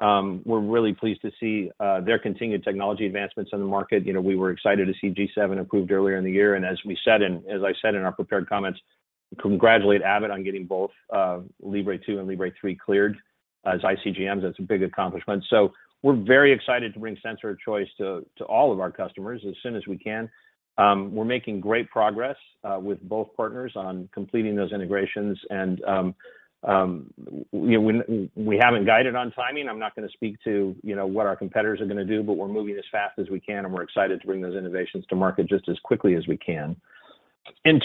We're really pleased to see their continued technology advancements in the market. You know, we were excited to see G7 approved earlier in the year. As I said in our prepared comments, congratulate Abbott on getting both Libre 2 and Libre 3 cleared as ICGMs. That's a big accomplishment. We're very excited to bring sensor choice to all of our customers as soon as we can. We're making great progress with both partners on completing those integrations. You know, we haven't guided on timing. I'm not gonna speak to, you know, what our competitors are gonna do, but we're moving as fast as we can, and we're excited to bring those innovations to market just as quickly as we can. You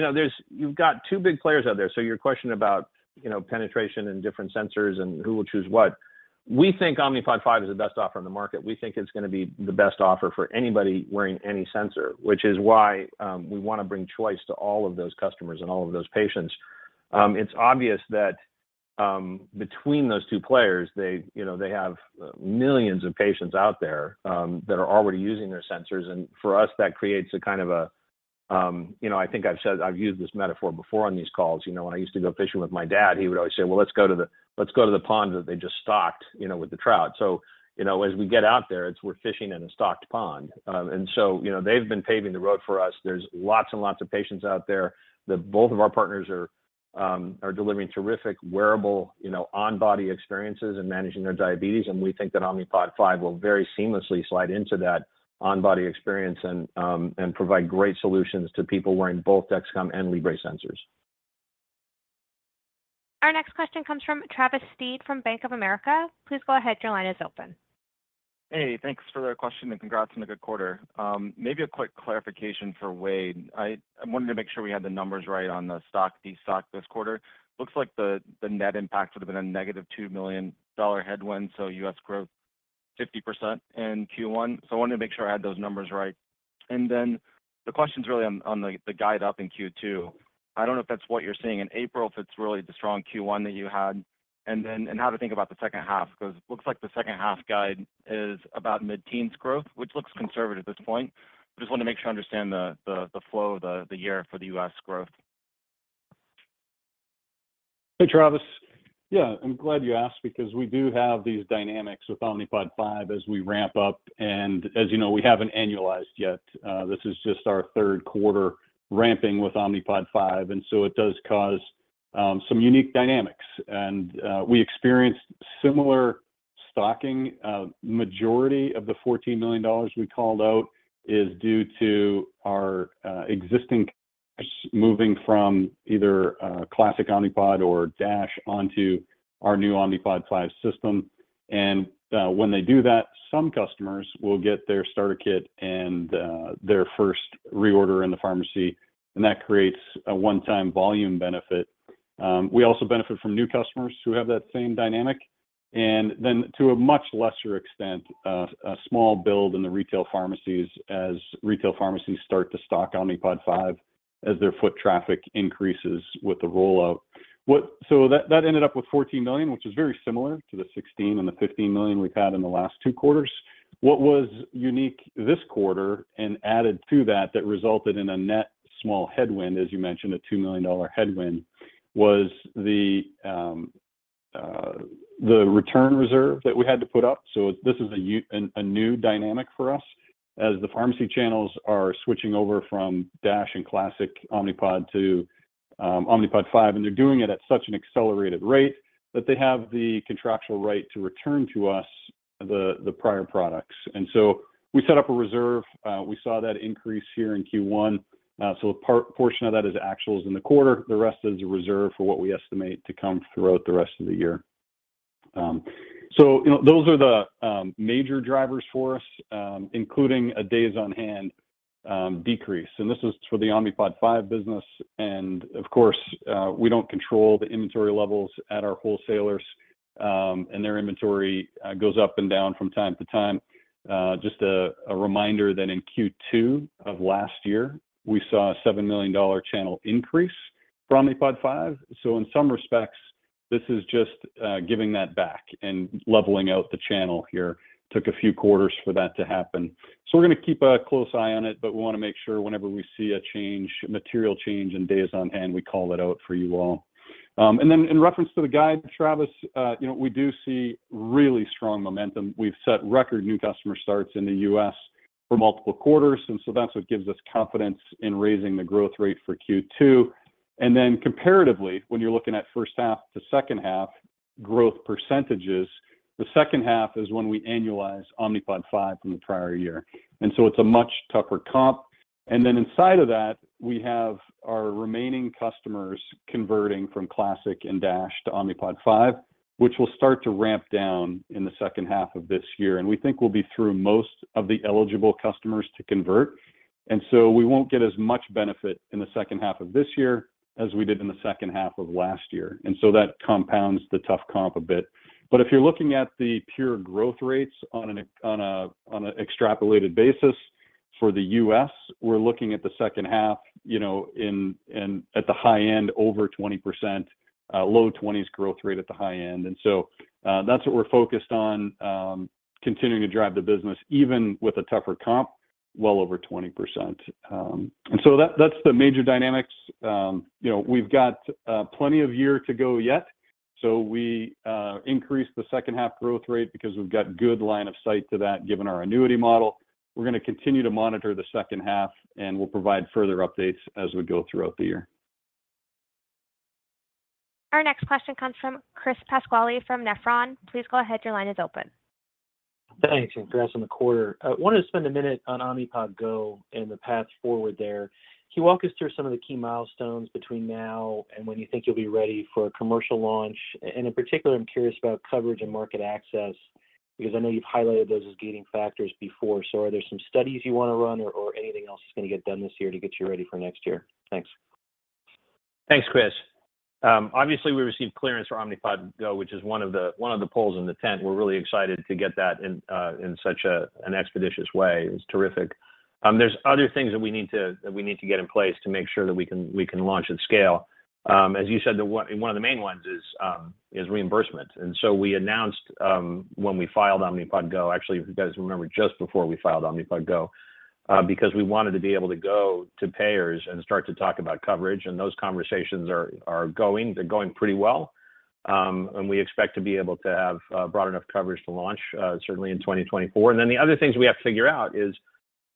know, you've got two big players out there. Your question about, you know, penetration and different sensors and who will choose what. We think Omnipod 5 is the best offer on the market. We think it's gonna be the best offer for anybody wearing any sensor, which is why we wanna bring choice to all of those customers and all of those patients. It's obvious that between those two players, they, you know, they have millions of patients out there that are already using their sensors. For us, that creates a kind of a. You know, I think I've used this metaphor before on these calls. You know, when I used to go fishing with my dad, he would always say, "Well, let's go to the let's go to the pond that they just stocked, you know, with the trout." You know, as we get out there, we're fishing in a stocked pond. You know, they've been paving the road for us. There's lots and lots of patients out there that both of our partners are delivering terrific wearable, you know, on-body experiences and managing their diabetes. We think that Omnipod 5 will very seamlessly slide into that on-body experience and provide great solutions to people wearing both Dexcom and Libre sensors. Our next question comes from Travis Steed from Bank of America. Please go ahead. Your line is open. Hey, thanks for the question and congrats on a good quarter. Maybe a quick clarification for Wayde. I wanted to make sure we had the numbers right on the destock this quarter. Looks like the net impact would have been a negative $2 million headwind, so U.S. growth 50% in Q1. I wanted to make sure I had those numbers right. The question's really on the guide up in Q2. I don't know if that's what you're seeing in April, if it's really the strong Q1 that you had, and how to think about the second half, 'cause looks like the second half guide is about mid-teens growth, which looks conservative at this point. I just wanted to make sure I understand the flow of the year for the U.S. growth. Hey, Travis. Yeah, I'm glad you asked because we do have these dynamics with Omnipod 5 as we ramp up. As you know, we haven't annualized yet. This is just our Q3 ramping with Omnipod 5, and it does cause some unique dynamics. We experienced similar stocking. Majority of the $14 million we called out is due to our existing moving from either classic Omnipod or DASH onto our new Omnipod 5 system. When they do that, some customers will get their starter kit and their first reorder in the pharmacy, and that creates a one-time volume benefit. We also benefit from new customers who have that same dynamic. Then to a much lesser extent, a small build in the retail pharmacies as retail pharmacies start to stock Omnipod 5 as their foot traffic increases with the rollout. That ended up with $14 million, which is very similar to the $16 million and $15 million we've had in the last two quarters. What was unique this quarter and added to that resulted in a net small headwind, as you mentioned, a $2 million headwind, was the return reserve that we had to put up. This is a new dynamic for us as the pharmacy channels are switching over from Omnipod DASH and classic Omnipod to Omnipod 5, and they're doing it at such an accelerated rate that they have the contractual right to return to us the prior products. We set up a reserve. We saw that increase here in Q1. A portion of that is actuals in the quarter. The rest is a reserve for what we estimate to come throughout the rest of the year. You know, those are the major drivers for us, including a days-on-hand decrease. This is for the Omnipod 5 business. Of course, we don't control the inventory levels at our wholesalers, and their inventory goes up and down from time to time. Just a reminder that in Q2 of last year, we saw a $7 million channel increase for Omnipod 5. In some respects, this is just giving that back and leveling out the channel here. Took a few quarters for that to happen. We're gonna keep a close eye on it, but we wanna make sure whenever we see a change, material change in days-on-hand, we call it out for you all. In reference to the guide, Travis, you know, we do see really strong momentum. We've set record new customer starts in the U.S. for multiple quarters, that's what gives us confidence in raising the growth rate for Q2. Comparatively, when you're looking at first half to second half growth percentages, the second half is when we annualize Omnipod 5 from the prior year. It's a much tougher comp. Inside of that, we have our remaining customers converting from classic and Omnipod DASH to Omnipod 5, which will start to ramp down in the second half of this year. We think we'll be through most of the eligible customers to convert. We won't get as much benefit in the second half of this year as we did in the second half of last year. That compounds the tough comp a bit. If you're looking at the pure growth rates on an extrapolated basis for the US, we're looking at the second half, you know, at the high end, over 20%, low 20s growth rate at the high end. That's what we're focused on, continuing to drive the business, even with a tougher comp, well over 20%. That, that's the major dynamics. You know, we've got plenty of year to go yet. We increased the second half growth rate because we've got good line of sight to that, given our annuity model. We're gonna continue to monitor the second half, and we'll provide further updates as we go throughout the year. Our next question comes from Chris Pasquale from Nephron. Please go ahead. Your line is open. Thanks, congrats on the quarter. I wanted to spend a minute on Omnipod GO and the path forward there. Can you walk us through some of the key milestones between now and when you think you'll be ready for a commercial launch? In particular, I'm curious about coverage and market access, because I know you've highlighted those as gating factors before. Are there some studies you want to run or anything else that's going to get done this year to get you ready for next year? Thanks. Thanks, Chris. Obviously, we received clearance for Omnipod GO, which is one of the, one of the poles in the tent. We're really excited to get that in such an expeditious way. It was terrific. There's other things that we need to, that we need to get in place to make sure that we can, we can launch at scale. As you said, one of the main ones is reimbursement. We announced, when we filed Omnipod GO, actually, if you guys remember, just before we filed Omnipod GO, because we wanted to be able to go to payers and start to talk about coverage, and those conversations are going. They're going pretty well. We expect to be able to have broad enough coverage to launch certainly in 2024. The other things we have to figure out is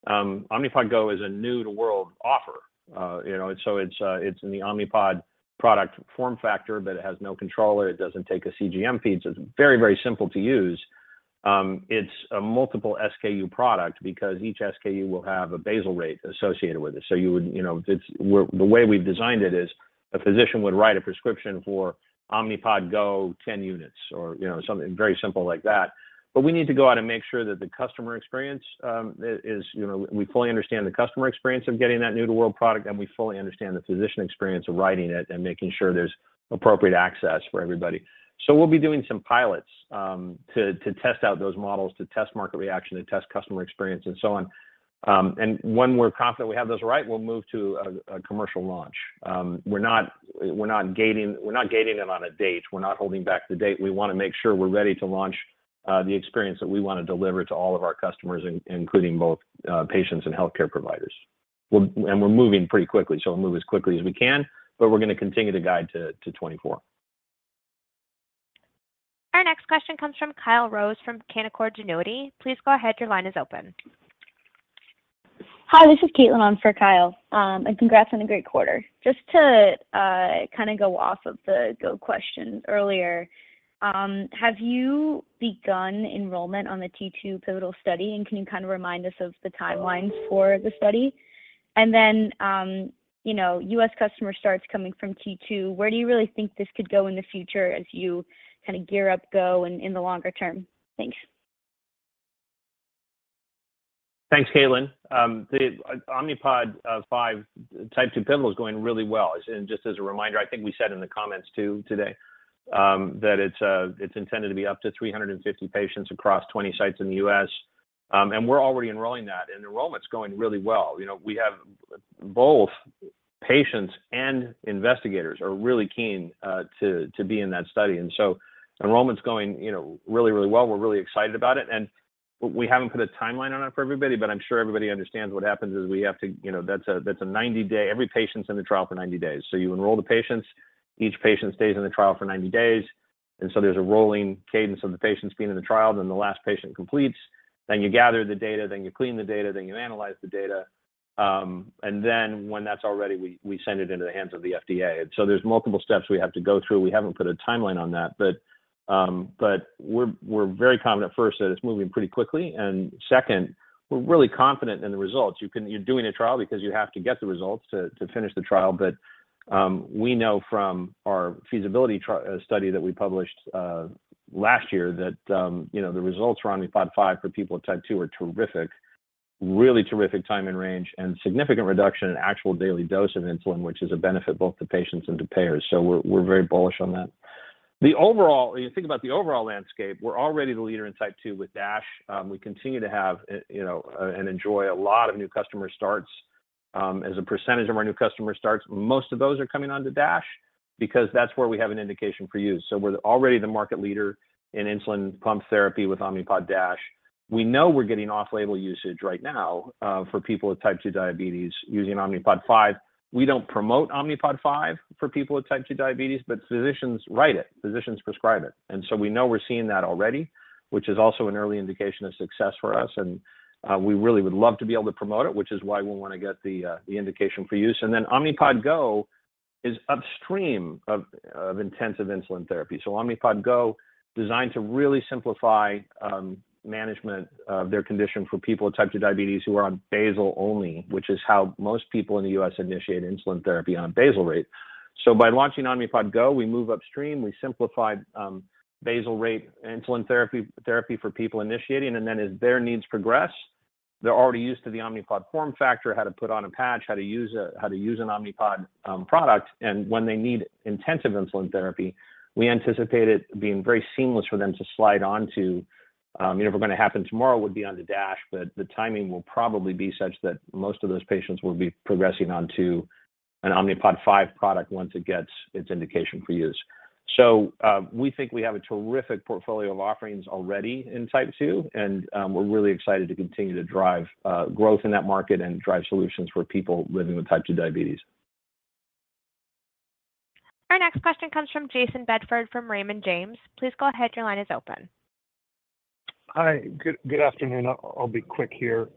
Omnipod GO is a new-to-world offer. You know, it's in the Omnipod product form factor, but it has no controller. It doesn't take a CGM feed, it's very, very simple to use. It's a multiple SKU product because each SKU will have a basal rate associated with it. You know, the way we've designed it is a physician would write a prescription for Omnipod GO 10 units or, you know, something very simple like that. We need to go out and make sure that the customer experience, you know, we fully understand the customer experience of getting that new-to-world product, and we fully understand the physician experience of writing it and making sure there's appropriate access for everybody. We'll be doing some pilots to test out those models, to test market reaction, to test customer experience, and so on. When we're confident we have those right, we'll move to a commercial launch. We're not gating it on a date. We're not holding back the date. We wanna make sure we're ready to launch, the experience that we wanna deliver to all of our customers, including both, patients and healthcare providers. We're moving pretty quickly, so we'll move as quickly as we can, but we're gonna continue to guide to 2024. Our next question comes from Kyle Rose from Canaccord Genuity. Please go ahead. Your line is open. Hi, this is Caitlin on for Kyle. Congrats on a great quarter. Just to, kind of go off of the Go question earlier, have you begun enrollment on the T2 pivotal study? Can you kind of remind us of the timelines for the study? You know, U.S. customer starts coming from T2, where do you really think this could go in the future as you kind of gear up Go in the longer term? Thanks. Thanks, Caitlin. The Omnipod 5 Type 2 pivotal is going really well. Just as a reminder, I think we said in the comments too today, it's intended to be up to 350 patients across 20 sites in the U.S. We're already enrolling that, and enrollment's going really well. You know, we have both patients and investigators are really keen to be in that study, enrollment's going, you know, really well. We're really excited about it, we haven't put a timeline on it for everybody, but I'm sure everybody understands what happens is we have to... You know, that's a, that's a 90-day... Every patient's in the trial for 90 days. You enroll the patients. Each patient stays in the trial for 90 days, and so there's a rolling cadence of the patients being in the trial. The last patient completes. You gather the data, then you clean the data, then you analyze the data. When that's all ready, we send it into the hands of the FDA. There's multiple steps we have to go through. We haven't put a timeline on that, but we're very confident, first, that it's moving pretty quickly, and second, we're really confident in the results. You're doing a trial because you have to get the results to finish the trial. We know from our feasibility study that we published last year that, you know, the results for Omnipod 5 for people with Type 2 are terrific. Really terrific time and range, and significant reduction in actual daily dose of insulin, which is a benefit both to patients and to payers. We're very bullish on that. When you think about the overall landscape, we're already the leader in Type 2 with Omnipod DASH. We continue to have, you know, enjoy a lot of new customer starts. As a percentage of our new customer starts, most of those are coming onto Omnipod DASH because that's where we have an indication for use. We're already the market leader in insulin pump therapy with Omnipod DASH. We know we're getting off-label usage right now for people with Type 2 diabetes using Omnipod 5. We don't promote Omnipod 5 for people with Type 2 diabetes, physicians write it, physicians prescribe it. We know we're seeing that already, which is also an early indication of success for us. We really would love to be able to promote it, which is why we wanna get the indication for use. Omnipod GO is upstream of intensive insulin therapy. Omnipod GO, designed to really simplify management of their condition for people with Type 2 diabetes who are on basal only, which is how most people in the U.S. initiate insulin therapy on basal rate. By launching Omnipod GO, we move upstream. We simplify basal rate insulin therapy for people initiating. As their needs progress, they're already used to the Omnipod form factor, how to put on a patch, how to use an Omnipod product. When they need intensive insulin therapy, we anticipate it being very seamless for them to slide onto. You know, if it were gonna happen tomorrow, it would be onto DASH. The timing will probably be such that most of those patients will be progressing onto an Omnipod 5 product once it gets its indication for use. We think we have a terrific portfolio of offerings already in Type 2, and we're really excited to continue to drive growth in that market and drive solutions for people living with Type 2 diabetes. Our next question comes from Jayson Bedford from Raymond James. Please go ahead. Your line is open. Hi. Good afternoon. I'll be quick here.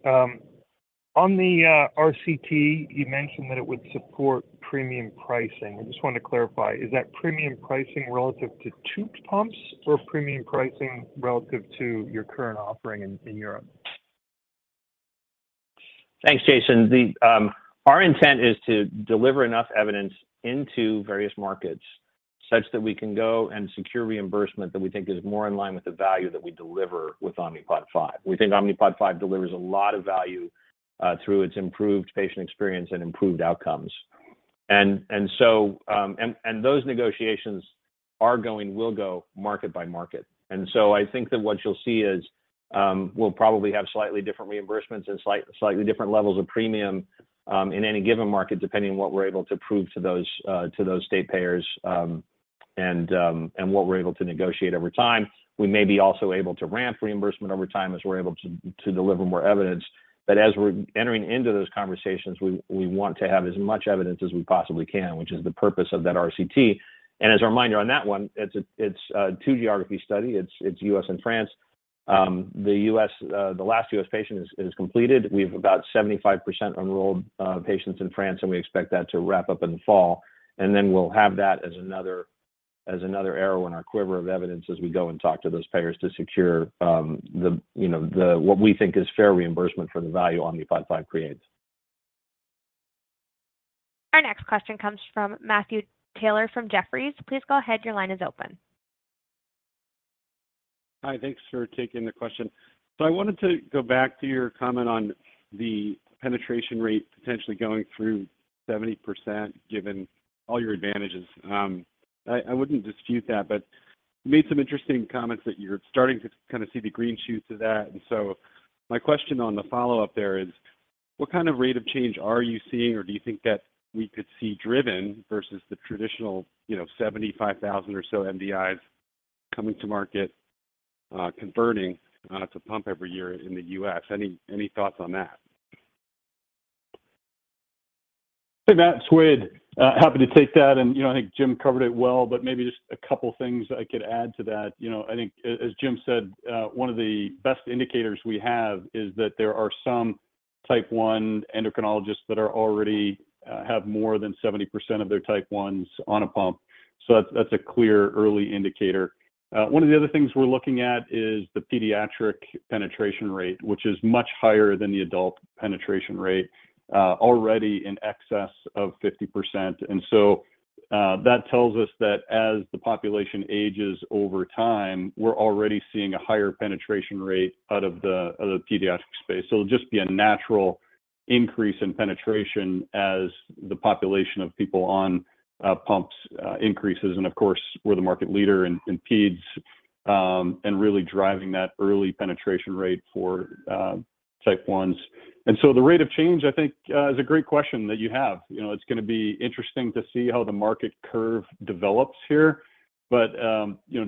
On the RCT, you mentioned that it would support premium pricing. I just wanted to clarify. Is that premium pricing relative to tube pumps or premium pricing relative to your current offering in Europe? Thanks, Jayson. Our intent is to deliver enough evidence into various markets such that we can go and secure reimbursement that we think is more in line with the value that we deliver with Omnipod 5. We think Omnipod 5 delivers a lot of value through its improved patient experience and improved outcomes. Those negotiations will go market by market. I think that what you'll see is we'll probably have slightly different reimbursements and slightly different levels of premium in any given market, depending on what we're able to prove to those to those state payers and what we're able to negotiate over time. We may be also able to ramp reimbursement over time as we're able to deliver more evidence. As we're entering into those conversations, we want to have as much evidence as we possibly can, which is the purpose of that RCT. As a reminder on that one, it's a two geography study. It's U.S. and France. The U.S., the last U.S. patient is completed. We have about 75% enrolled patients in France, and we expect that to wrap up in the fall. We'll have that as another arrow in our quiver of evidence as we go and talk to those payers to secure, you know, what we think is fair reimbursement for the value Omnipod 5 creates. Our next question comes from Matthew Taylor from Jefferies. Please go ahead. Your line is open. Hi. Thanks for taking the question. I wanted to go back to your comment on the penetration rate potentially going through 70% given all your advantages. I wouldn't dispute that, but you made some interesting comments that you're starting to kind of see the green shoots of that. My question on the follow-up there is, what kind of rate of change are you seeing, or do you think that we could see driven versus the traditional, you know, 75,000 or so MDIs coming to market, converting to pump every year in the U.S.? Any thoughts on that? Hey, Matt, it's Wayde. Happy to take that. You know, I think Jim covered it well, but maybe just a couple things I could add to that. You know, I think as Jim said, one of the best indicators we have is that there are some type one endocrinologists that are already have more than 70% of their type ones on a pump. That's a clear early indicator. One of the other things we're looking at is the pediatric penetration rate, which is much higher than the adult penetration rate, already in excess of 50%. That tells us that as the population ages over time, we're already seeing a higher penetration rate out of the pediatric space. It'll just be a natural increase in penetration as the population of people on pumps increases. Of course, we're the market leader in peds and really driving that early penetration rate for type ones. The rate of change, I think, is a great question that you have. You know, it's gonna be interesting to see how the market curve develops here.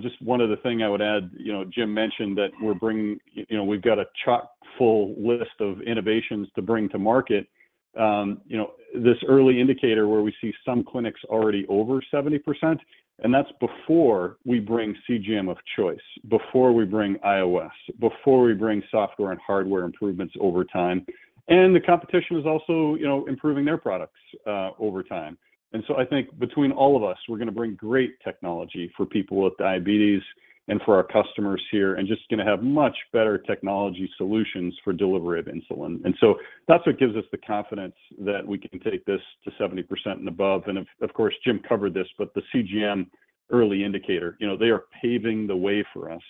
Just one other thing I would add, you know, Jim mentioned that we're bringing, you know, we've got a chock-full list of innovations to bring to market. You know, this early indicator where we see some clinics already over 70%, and that's before we bring CGM of choice, before we bring iOS, before we bring software and hardware improvements over time. The competition is also, you know, improving their products over time. I think between all of us, we're gonna bring great technology for people with diabetes and for our customers here, and just gonna have much better technology solutions for delivery of insulin. That's what gives us the confidence that we can take this to 70% and above. Of course, Jim covered this, but the CGM early indicator, you know, they are paving the way for us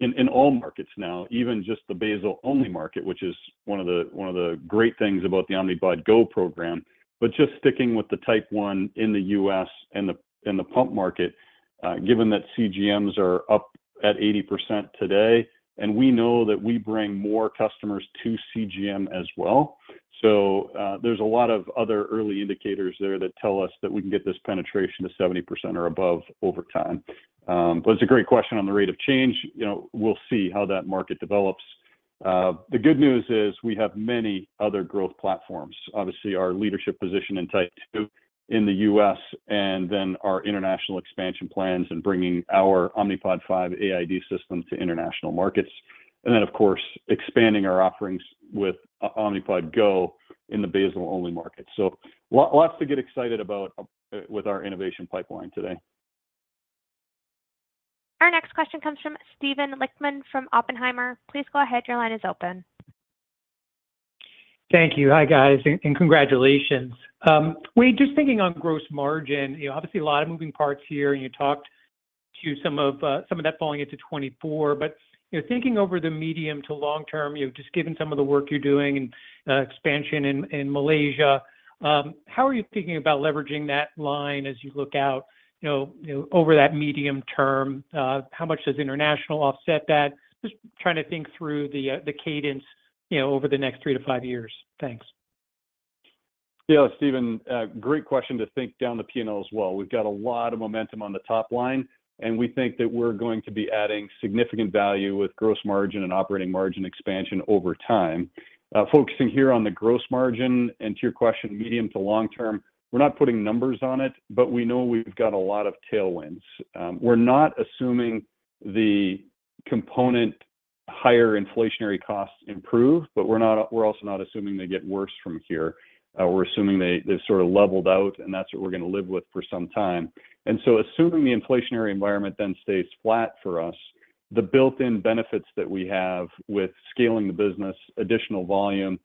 in all markets now, even just the basal-only market, which is one of the great things about the Omnipod GO program. Just sticking with the type 1 in the U.S. and the pump market, given that CGMs are up at 80% today, and we know that we bring more customers to CGM as well. There's a lot of other early indicators there that tell us that we can get this penetration to 70% or above over time. It's a great question on the rate of change. You know, we'll see how that market develops. The good news is we have many other growth platforms. Obviously, our leadership position in type 2 in the U.S. and then our international expansion plans and bringing our Omnipod 5 AID system to international markets. Of course, expanding our offerings with Omnipod GO in the basal-only market. Lots to get excited about with our innovation pipeline today. Our next question comes from Steven Lichtman from Oppenheimer. Please go ahead. Your line is open. Thank you. Hi, guys. Congratulations. Wayde, just thinking on gross margin, you know, obviously a lot of moving parts here, and you talked to some of that falling into 2024. You know, thinking over the medium to long term, you know, just given some of the work you're doing and expansion in Malaysia, how are you thinking about leveraging that line as you look out, you know, over that medium term? How much does international offset that? Just trying to think through the cadence, you know, over the next 3-5 years. Thanks. Yeah, Steven, great question to think down the P&L as well. We've got a lot of momentum on the top line, and we think that we're going to be adding significant value with gross margin and operating margin expansion over time. Focusing here on the gross margin and to your question, medium to long term, we're not putting numbers on it, but we know we've got a lot of tailwinds. We're not assuming the component higher inflationary costs improve, but we're also not assuming they get worse from here. We're assuming they've sort of leveled out, and that's what we're gonna live with for some time. Assuming the inflationary environment then stays flat for us, the built-in benefits that we have with scaling the business, additional volume,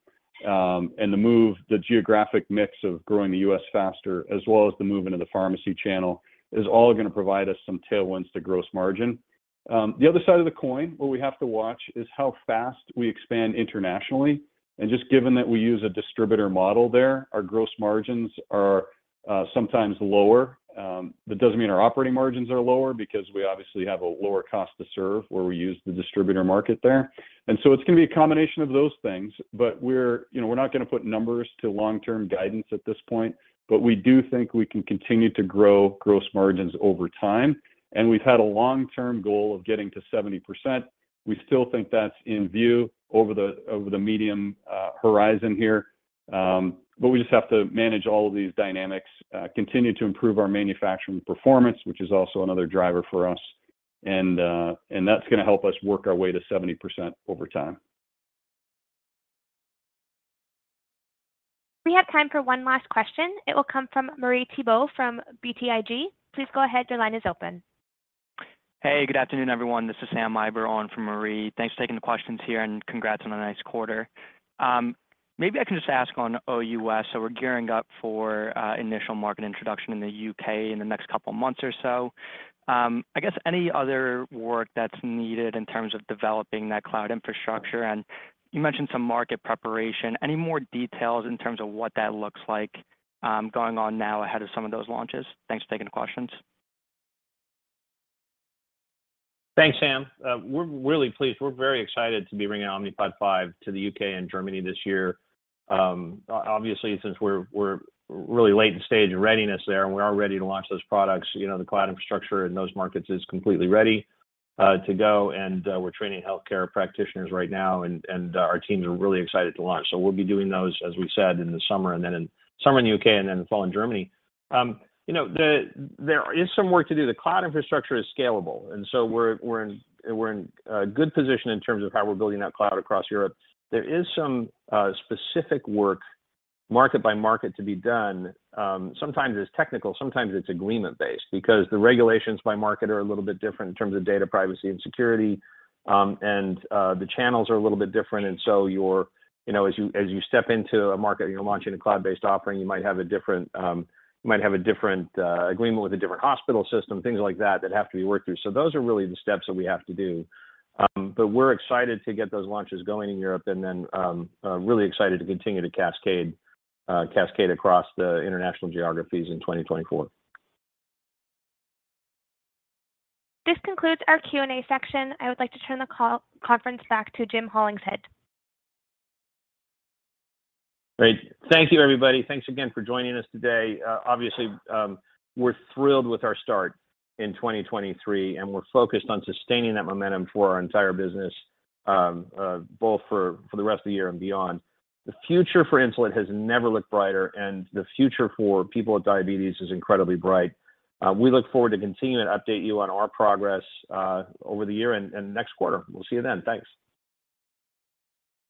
and the move, the geographic mix of growing the U.S. faster, as well as the movement of the pharmacy channel, is all gonna provide us some tailwinds to gross margin. The other side of the coin, what we have to watch is how fast we expand internationally. Just given that we use a distributor model there, our gross margins are sometimes lower. That doesn't mean our operating margins are lower because we obviously have a lower cost to serve where we use the distributor market there. It's gonna be a combination of those things. We're, you know, we're not gonna put numbers to long-term guidance at this point, but we do think we can continue to grow gross margins over time. We've had a long-term goal of getting to 70%. We still think that's in view over the, over the medium horizon here. We just have to manage all of these dynamics, continue to improve our manufacturing performance, which is also another driver for us. That's gonna help us work our way to 70% over time. We have time for one last question. It will come from Marie Thibault from BTIG. Please go ahead. Your line is open. Good afternoon, everyone. This is Sam Eiber on for Marie. Thanks for taking the questions here, and congrats on a nice quarter. Maybe I can just ask on OUS. We're gearing up for initial market introduction in the U.K. in the next couple of months or so. I guess any other work that's needed in terms of developing that cloud infrastructure, and you mentioned some market preparation. Any more details in terms of what that looks like, going on now ahead of some of those launches? Thanks for taking the questions. Thanks, Sam. We're really pleased. We're very excited to be bringing Omnipod 5 to the U.K. and Germany this year. Obviously, since we're really late in stage and readiness there, and we are ready to launch those products, you know, the cloud infrastructure in those markets is completely ready to go. We're training healthcare practitioners right now, and our teams are really excited to launch. We'll be doing those, as we said, in the summer and then in summer in the U.K. and then fall in Germany. You know, there is some work to do. The cloud infrastructure is scalable, and so we're in a good position in terms of how we're building that cloud across Europe. There is some specific work market by market to be done. Sometimes it's technical, sometimes it's agreement-based because the regulations by market are a little bit different in terms of data privacy and security. The channels are a little bit different, and so you're, you know, as you step into a market, you're launching a cloud-based offering, you might have a different agreement with a different hospital system, things like that that have to be worked through. Those are really the steps that we have to do. We're excited to get those launches going in Europe and then really excited to continue to cascade across the international geographies in 2024. This concludes our Q&A section. I would like to turn the call conference back to Jim Hollingshead. Great. Thank you, everybody. Thanks again for joining us today. Obviously, we're thrilled with our start in 2023, and we're focused on sustaining that momentum for our entire business, both for the rest of the year and beyond. The future for insulin has never looked brighter, and the future for people with diabetes is incredibly bright. We look forward to continuing to update you on our progress over the year and next quarter. We'll see you then. Thanks.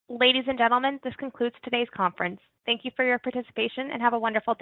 Ladies and gentlemen, this concludes today's conference. Thank you for your participation and have a wonderful day.